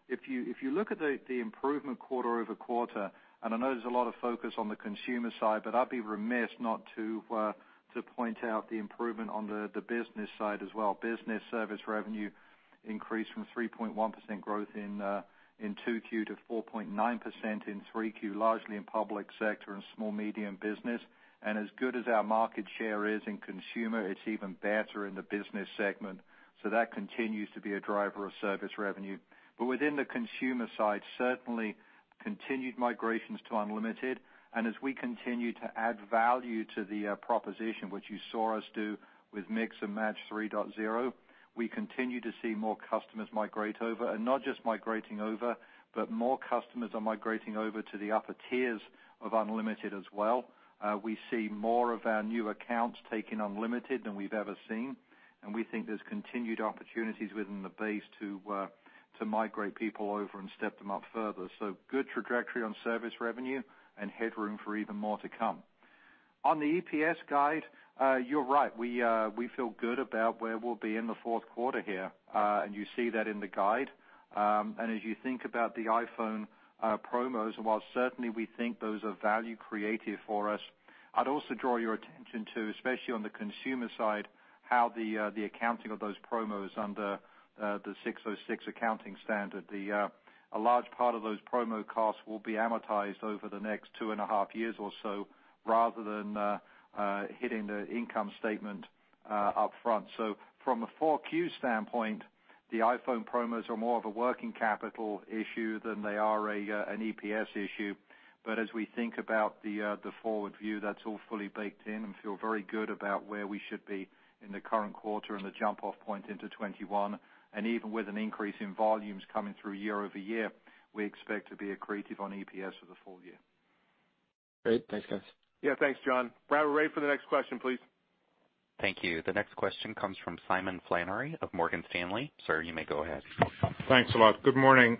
If you look at the improvement quarter-over-quarter, and I know there's a lot of focus on the consumer side, but I'd be remiss not to point out the improvement on the business side as well. Business service revenue increased from 3.1% growth in Q2 to 4.9% in Q3, largely in public sector and small-medium business. As good as our market share is in consumer, it's even better in the business segment. That continues to be a driver of service revenue. Within the consumer side, certainly continued migrations to unlimited. As we continue to add value to the proposition, which you saw us do with Mix and Match 3.0, we continue to see more customers migrate over. Not just migrating over, but more customers are migrating over to the upper tiers of unlimited as well. We see more of our new accounts taking unlimited than we've ever seen, and we think there's continued opportunities within the base to migrate people over and step them up further. Good trajectory on service revenue and headroom for even more to come. On the EPS guide, you're right. We feel good about where we'll be in the fourth quarter here. You see that in the guide. As you think about the iPhone promos, while certainly we think those are value creative for us, I'd also draw your attention to, especially on the consumer side, how the accounting of those promos under the 606 accounting standard. A large part of those promo costs will be amortized over the next 2.5 Years or so rather than hitting the income statement upfront. From a Q4 standpoint, the iPhone promos are more of a working capital issue than they are an EPS issue. As we think about the forward view, that's all fully baked in and feel very good about where we should be in the current quarter and the jump-off point into 2021. Even with an increase in volumes coming through year-over-year, we expect to be accretive on EPS for the full year. Great. Thanks, guys. Yeah. Thanks, John. Brad, we're ready for the next question, please. Thank you. The next question comes from Simon Flannery of Morgan Stanley. Sir, you may go ahead. Thanks a lot. Good morning.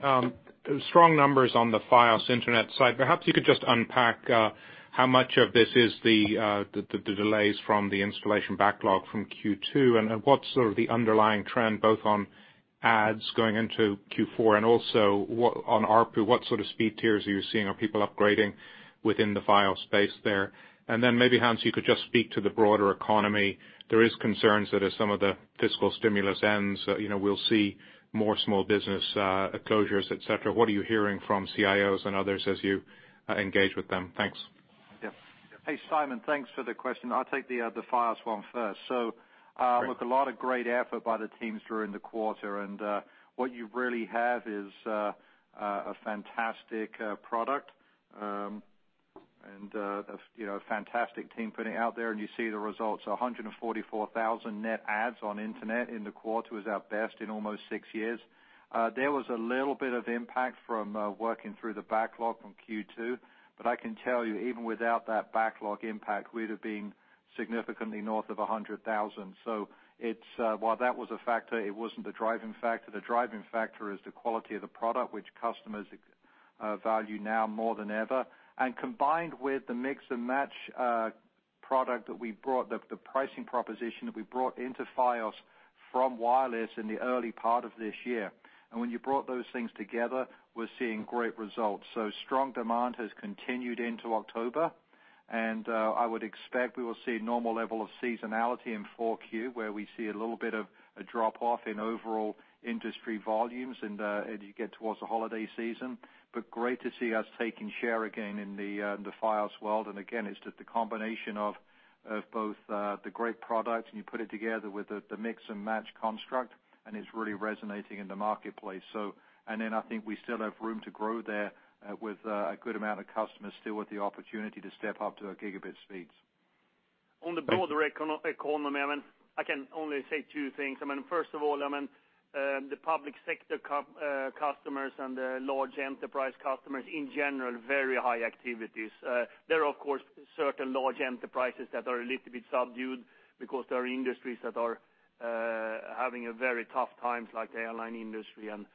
Strong numbers on the Fios internet side. Perhaps you could just unpack how much of this is the delays from the installation backlog from Q2, and what's the underlying trend, both on ads going into Q4 and also on ARPU, what sort of speed tiers are you seeing? Are people upgrading within the Fios space there? Maybe, Hans, you could just speak to the broader economy. There is concerns that as some of the fiscal stimulus ends, we'll see more small business closures, et cetera. What are you hearing from CIOs and others as you engage with them? Thanks. Yeah. Hey, Simon. Thanks for the question. I'll take the Fios one first. Great with a lot of great effort by the teams during the quarter. What you really have is a fantastic product and a fantastic team putting it out there, and you see the results, 144,000 net adds on internet in the quarter was our best in almost six years. There was a little bit of impact from working through the backlog from Q2, but I can tell you, even without that backlog impact, we'd have been significantly north of 100,000. While that was a factor, it wasn't the driving factor. The driving factor is the quality of the product, which customers value now more than ever, combined with the Mix and Match product that we brought, the pricing proposition that we brought into Fios from wireless in the early part of this year. When you brought those things together, we're seeing great results. Strong demand has continued into October, and I would expect we will see normal level of seasonality in Q4, where we see a little bit of a drop-off in overall industry volumes as you get towards the holiday season. Great to see us taking share again in the Fios world. Again, it's the combination of both the great products, and you put it together with the Mix and Match construct, and it's really resonating in the marketplace. Then I think we still have room to grow there with a good amount of customers still with the opportunity to step up to our gigabit speeds. On the broader economy, I can only say two things. First of all, the public sector customers and the large enterprise customers in general, very high activities. There are, of course, certain large enterprises that are a little bit subdued because there are industries that are having a very tough time, like the airline industry and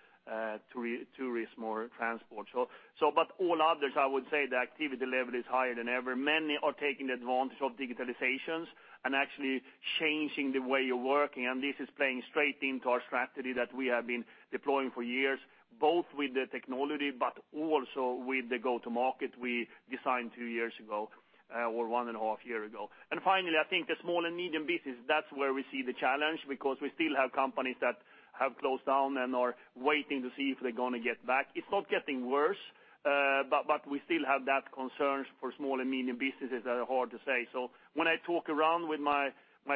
tourism or transport. All others, I would say the activity level is higher than ever. Many are taking advantage of digitalizations and actually changing the way you're working, and this is playing straight into our strategy that we have been deploying for years, both with the technology but also with the go-to-market we designed two years ago, or 1.5 Year ago. Finally, I think the small and medium business, that's where we see the challenge because we still have companies that have closed down and are waiting to see if they're going to get back. It's not getting worse, but we still have that concern for small and medium businesses that are hard to say. When I talk around with my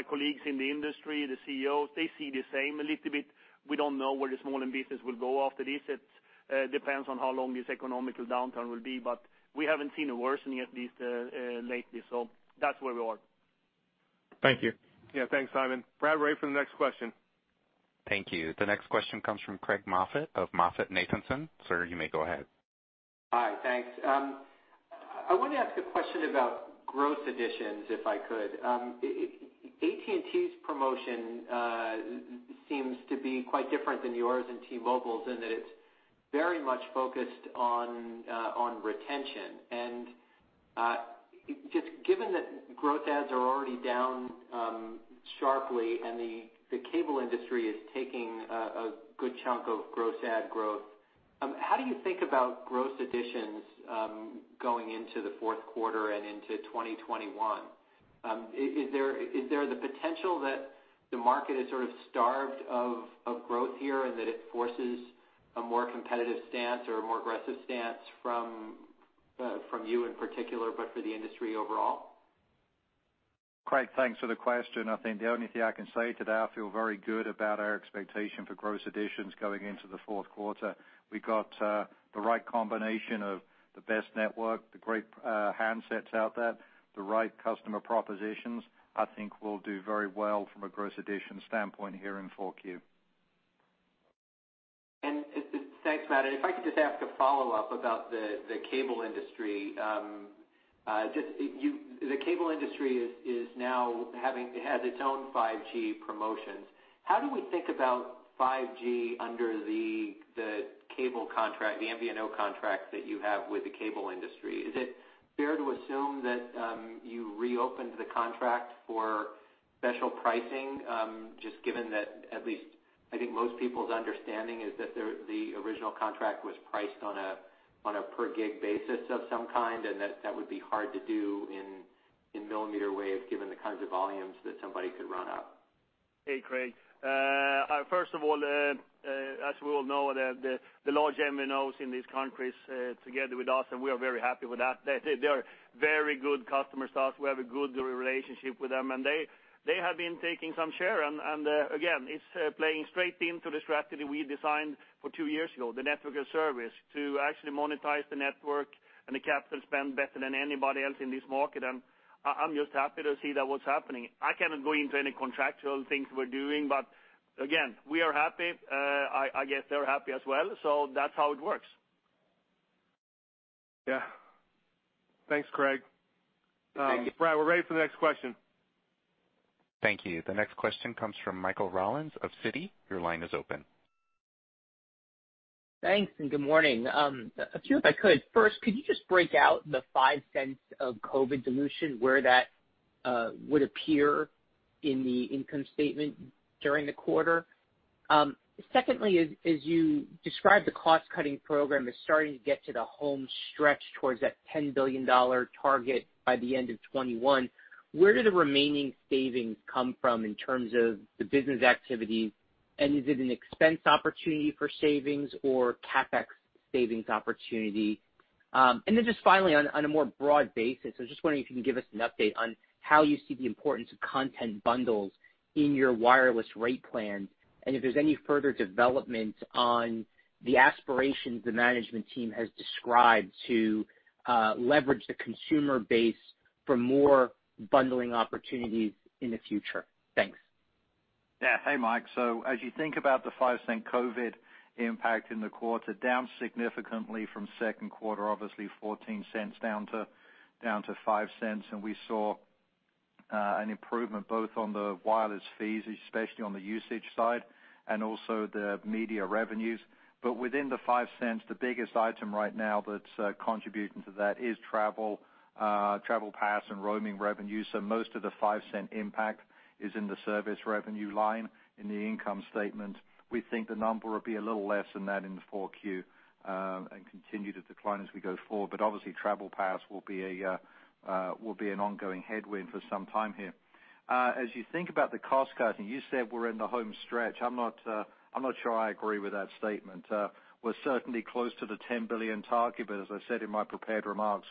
colleagues in the industry, the CEOs, they see the same a little bit. We don't know where the small end business will go after this. It depends on how long this economic downturn will be, but we haven't seen a worsening at least lately. That's where we are. Thank you. Yeah, thanks, Simon. Brad, we're ready for the next question. Thank you. The next question comes from Craig Moffett of MoffettNathanson. Sir, you may go ahead. Hi, thanks. I want to ask a question about gross additions, if I could. AT&T's promotion seems to be quite different than yours and T-Mobile's in that it's very much focused on retention. Just given that gross adds are already down sharply and the cable industry is taking a good chunk of gross add growth, how do you think about gross additions going into the fourth quarter and into 2021? Is there the potential that the market is sort of starved of growth here and that it forces a more competitive stance or a more aggressive stance from you in particular, but for the industry overall? Craig, thanks for the question. I think the only thing I can say today, I feel very good about our expectation for gross additions going into the fourth quarter. We got the right combination of the best network, the great handsets out there, the right customer propositions. I think we'll do very well from a gross addition standpoint here in Q4. Thanks, Matt. If I could just ask a follow-up about the cable industry. The cable industry now has its own 5G promotions. How do we think about 5G under the MVNO contract that you have with the cable industry? Is it fair to assume that you reopened the contract for special pricing, just given that at least I think most people's understanding is that the original contract was priced on a per gig basis of some kind, and that would be hard to do in millimeter waves given the kinds of volumes that somebody could run up? Hey, Craig. First of all, as we all know, the large MNOs in these countries together with us, and we are very happy with that. They are very good customer starts. We have a good relationship with them, and they have been taking some share. Again, it's playing straight into the strategy we designed for two years ago, the network as service, to actually monetize the network and the capital spend better than anybody else in this market. I'm just happy to see that what's happening. I cannot go into any contractual things we're doing. Again, we are happy. I guess they're happy as well. That's how it works. Yeah. Thanks, Craig. Thank you. Brad, we're ready for the next question. Thank you. The next question comes from Michael Rollins of Citi. Your line is open. Thanks, good morning. A few if I could. First, could you just break out the $0.05 of COVID dilution, where that would appear in the income statement during the quarter? As you describe the cost-cutting program is starting to get to the home stretch towards that $10 billion target by the end of 2021, where do the remaining savings come from in terms of the business activities? Is it an expense opportunity for savings or CapEx savings opportunity? Just finally, on a more broad basis, I was just wondering if you can give us an update on how you see the importance of content bundles in your wireless rate plans, and if there's any further development on the aspirations the management team has described to leverage the consumer base for more bundling opportunities in the future. Thanks. Yeah. Hey, Mike. As you think about the $0.05 COVID-19 impact in the quarter, down significantly from second quarter, obviously $0.14 down to $0.05. We saw an improvement both on the wireless fees, especially on the usage side and also the media revenues. Within the $0.05, the biggest item right now that's contributing to that is Travel Pass and roaming revenues. Most of the $0.05 impact is in the service revenue line in the income statement. We think the number will be a little less than that in the Q4 and continue to decline as we go forward. Obviously, Travel Pass will be an ongoing headwind for some time here. As you think about the cost cutting, you said we're in the home stretch. I'm not sure I agree with that statement. We're certainly close to the $10 billion target. As I said in my prepared remarks,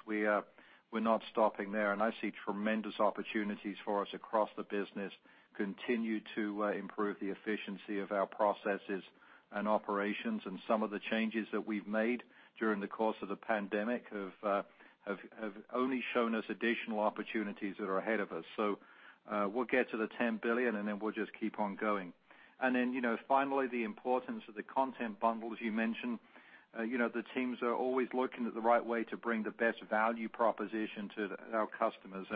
we're not stopping there. I see tremendous opportunities for us across the business continue to improve the efficiency of our processes and operations. Some of the changes that we've made during the course of the pandemic have only shown us additional opportunities that are ahead of us. We'll get to the $10 billion and then we'll just keep on going. Finally, the importance of the content bundles you mentioned. The teams are always looking at the right way to bring the best value proposition to our customers.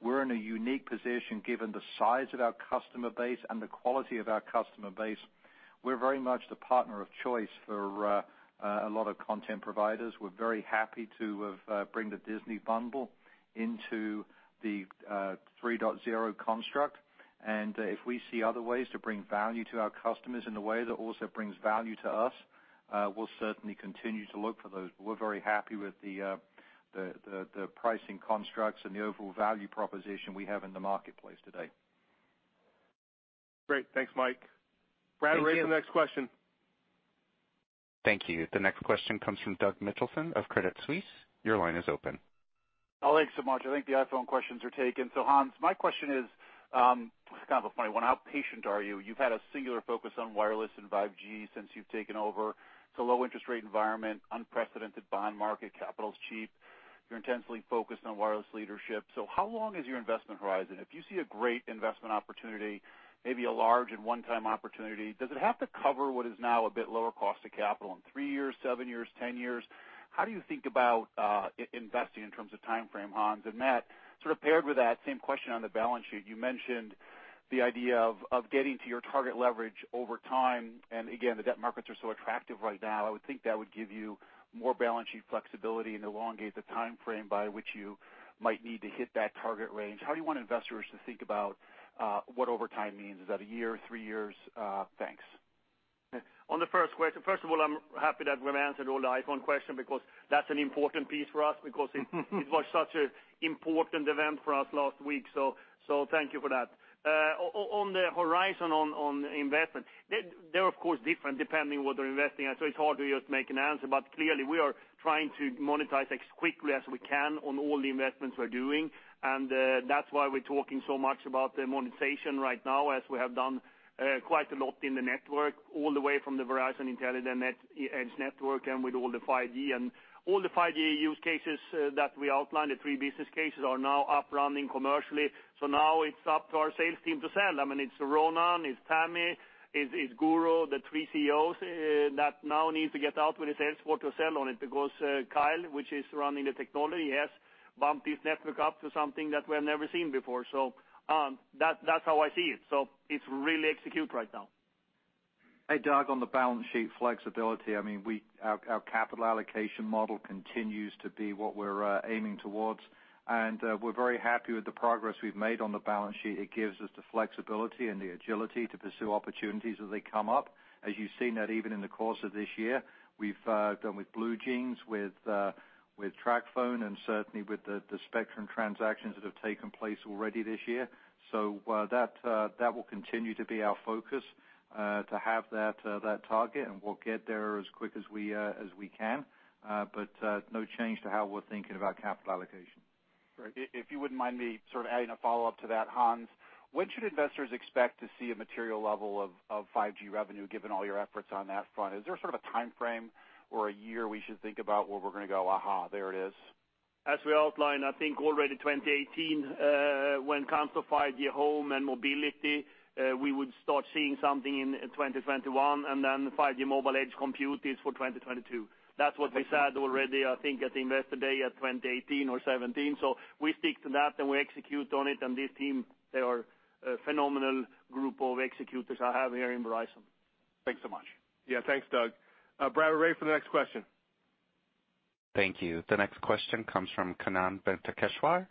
We're in a unique position given the size of our customer base and the quality of our customer base. We're very much the partner of choice for a lot of content providers. We're very happy to have bring the Disney bundle into the 3.0 construct. If we see other ways to bring value to our customers in a way that also brings value to us, we'll certainly continue to look for those. We're very happy with the pricing constructs and the overall value proposition we have in the marketplace today. Great. Thanks, Mike. Thank you. Brad, we're ready for the next question. Thank you. The next question comes from Doug Mitchelson of Credit Suisse. Your line is open. Thanks so much. I think the iPhone questions are taken. Hans, my question is. This is kind of a funny one. How patient are you? You've had a singular focus on wireless and 5G since you've taken over. It's a low interest rate environment, unprecedented bond market, capital's cheap. You're intensely focused on wireless leadership. How long is your investment horizon? If you see a great investment opportunity, maybe a large and one-time opportunity, does it have to cover what is now a bit lower cost of capital in three years, seven years, 10 years? How do you think about investing in terms of timeframe, Hans? Matt, sort of paired with that same question on the balance sheet, you mentioned the idea of getting to your target leverage over time, and again, the debt markets are so attractive right now. I would think that would give you more balance sheet flexibility and elongate the timeframe by which you might need to hit that target range. How do you want investors to think about what over time means? Is that one year, three years? Thanks. On the first question, first of all, I'm happy that we've answered all the C-Band question because that's an important piece for us because it was such an important event for us last week, so thank you for that. On the horizon on investment, they're of course different depending what they're investing in, it's hard to just make an answer. Clearly we are trying to monetize as quickly as we can on all the investments we're doing. That's why we're talking so much about the monetization right now as we have done quite a lot in the network, all the way from the Verizon Intelligent Edge Network and with all the 5G. All the 5G use cases that we outlined, the three business cases, are now up running commercially. Now it's up to our sales team to sell. It's Ronan, it's Tami, it's Guru, the three CEOs that now need to get out with the sales force to sell on it because Kyle, which is running the technology, has bumped his network up to something that we have never seen before. That's how I see it. It's really execute right now. Hey, Doug, on the balance sheet flexibility, our capital allocation model continues to be what we're aiming towards. We're very happy with the progress we've made on the balance sheet. It gives us the flexibility and the agility to pursue opportunities as they come up. As you've seen that even in the course of this year, we've done with BlueJeans, with TracFone, and certainly with the Spectrum transactions that have taken place already this year. That will continue to be our focus, to have that target, and we'll get there as quick as we can. No change to how we're thinking about capital allocation. Great. If you wouldn't mind me sort of adding a follow-up to that, Hans, when should investors expect to see a material level of 5G revenue, given all your efforts on that front? Is there sort of a timeframe or a year we should think about where we're going to go, "Aha, there it is"? As we outlined, I think already 2018, when it comes to 5G home and mobility, we would start seeing something in 2021, and then 5G mobile edge compute is for 2022. That's what we said already, I think at Investor Day at 2018 or 2017. We stick to that and we execute on it, and this team, they are a phenomenal group of executors I have here in Verizon. Thanks so much. Yeah. Thanks, Doug. Operator, ready for the next question. Thank you. The next question comes from Kannan Venkateshwar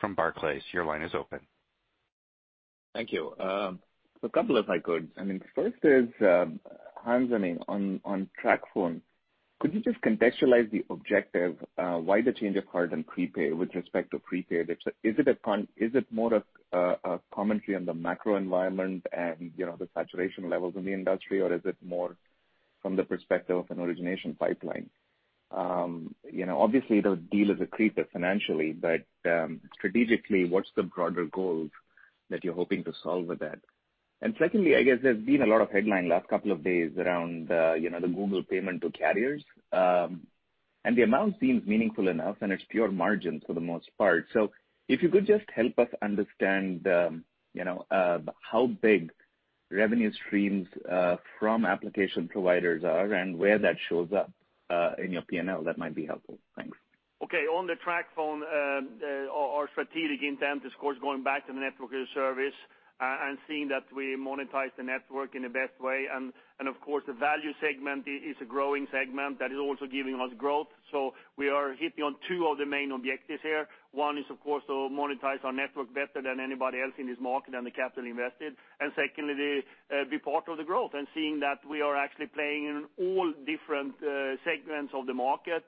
from Barclays. Your line is open. Thank you. A couple if I could. First is, Hans, on TracFone, could you just contextualize the objective, why the change of heart on prepaid with respect to prepaid? Is it more of a commentary on the macro environment and the saturation levels in the industry, or is it more from the perspective of an origination pipeline? Obviously the deal is accretive financially, but strategically, what's the broader goal that you're hoping to solve with that? Secondly, I guess there's been a lot of headline last couple of days around the Google payment to carriers. The amount seems meaningful enough, and it's pure margin for the most part. If you could just help us understand how big revenue streams from application providers are and where that shows up in your P&L, that might be helpful. Thanks. Okay. On the TracFone, our strategic intent is, of course, going back to the network as a service, and seeing that we monetize the network in the best way. Of course, the value segment is a growing segment that is also giving us growth. We are hitting on two of the main objectives here. One is, of course, to monetize our network better than anybody else in this market and the capital invested. Secondly, be part of the growth and seeing that we are actually playing in all different segments of the market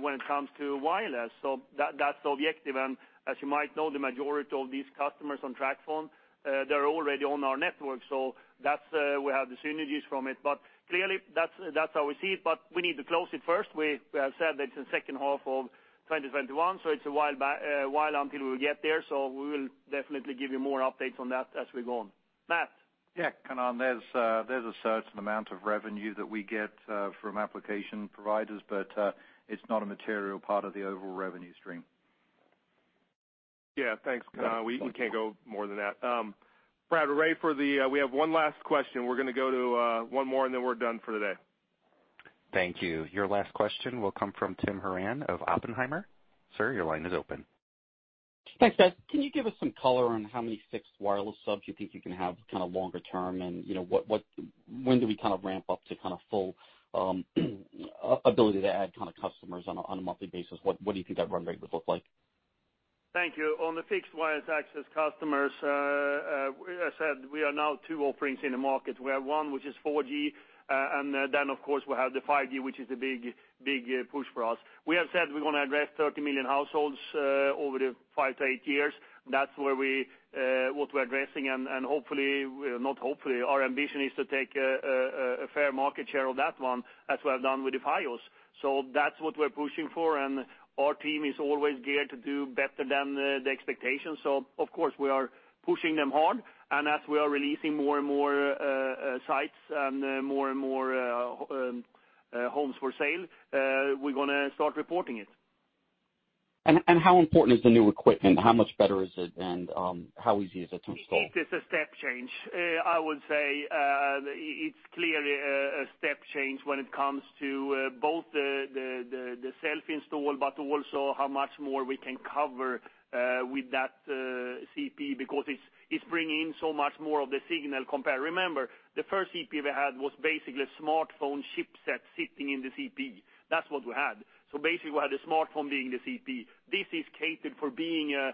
when it comes to wireless. That's the objective. As you might know, the majority of these customers on TracFone, they're already on our network, so we have the synergies from it. Clearly, that's how we see it, but we need to close it first. We have said that it's in second half of 2021, so it's a while until we get there. We will definitely give you more updates on that as we go on. Matt? Yeah, Kannan, there's a certain amount of revenue that we get from application providers, but it's not a material part of the overall revenue stream. Yeah. Thanks, Kannan. We can't go more than that. Operator, we have one last question. We're going to go to one more, and then we're done for the day. Thank you. Your last question will come from Tim Horan of Oppenheimer. Sir, your line is open. Thanks, guys. Can you give us some color on how many fixed wireless subs you think you can have longer term, and when do we ramp up to full ability to add customers on a monthly basis? What do you think that run rate would look like? Thank you. On the fixed wireless access customers, as I said, we are now two offerings in the market. We have one, which is 4G, and then of course, we have the 5G, which is the big push for us. We have said we want to address 30 million households over the five to eight years. That's what we're addressing, and our ambition is to take a fair market share of that one as well done with the Fios. That's what we're pushing for, and our team is always geared to do better than the expectations. Of course, we are pushing them hard, and as we are releasing more and more sites and more and more homes for sale, we're going to start reporting it. How important is the new equipment? How much better is it, and how easy is it to install? It is a step change. I would say it's clearly a step change when it comes to both the self-install, but also how much more we can cover with that CPE because it's bringing in so much more of the signal compared. Remember, the first CPE we had was basically a smartphone chipset sitting in the CPE. That's what we had. Basically, we had a smartphone being the CPE. This is catered for being a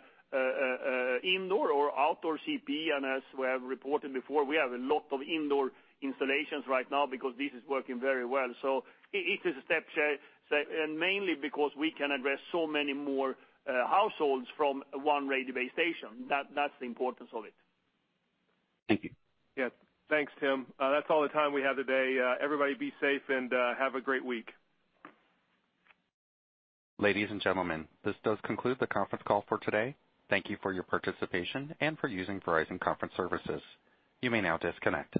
indoor or outdoor CPE, and as we have reported before, we have a lot of indoor installations right now because this is working very well. It is a step change, and mainly because we can address so many more households from one radio base station. That's the importance of it. Thank you. Yeah. Thanks, Tim. That's all the time we have today. Everybody be safe and have a great week. Ladies and gentlemen, this does conclude the conference call for today. Thank you for your participation and for using Verizon Conference Services. You may now disconnect.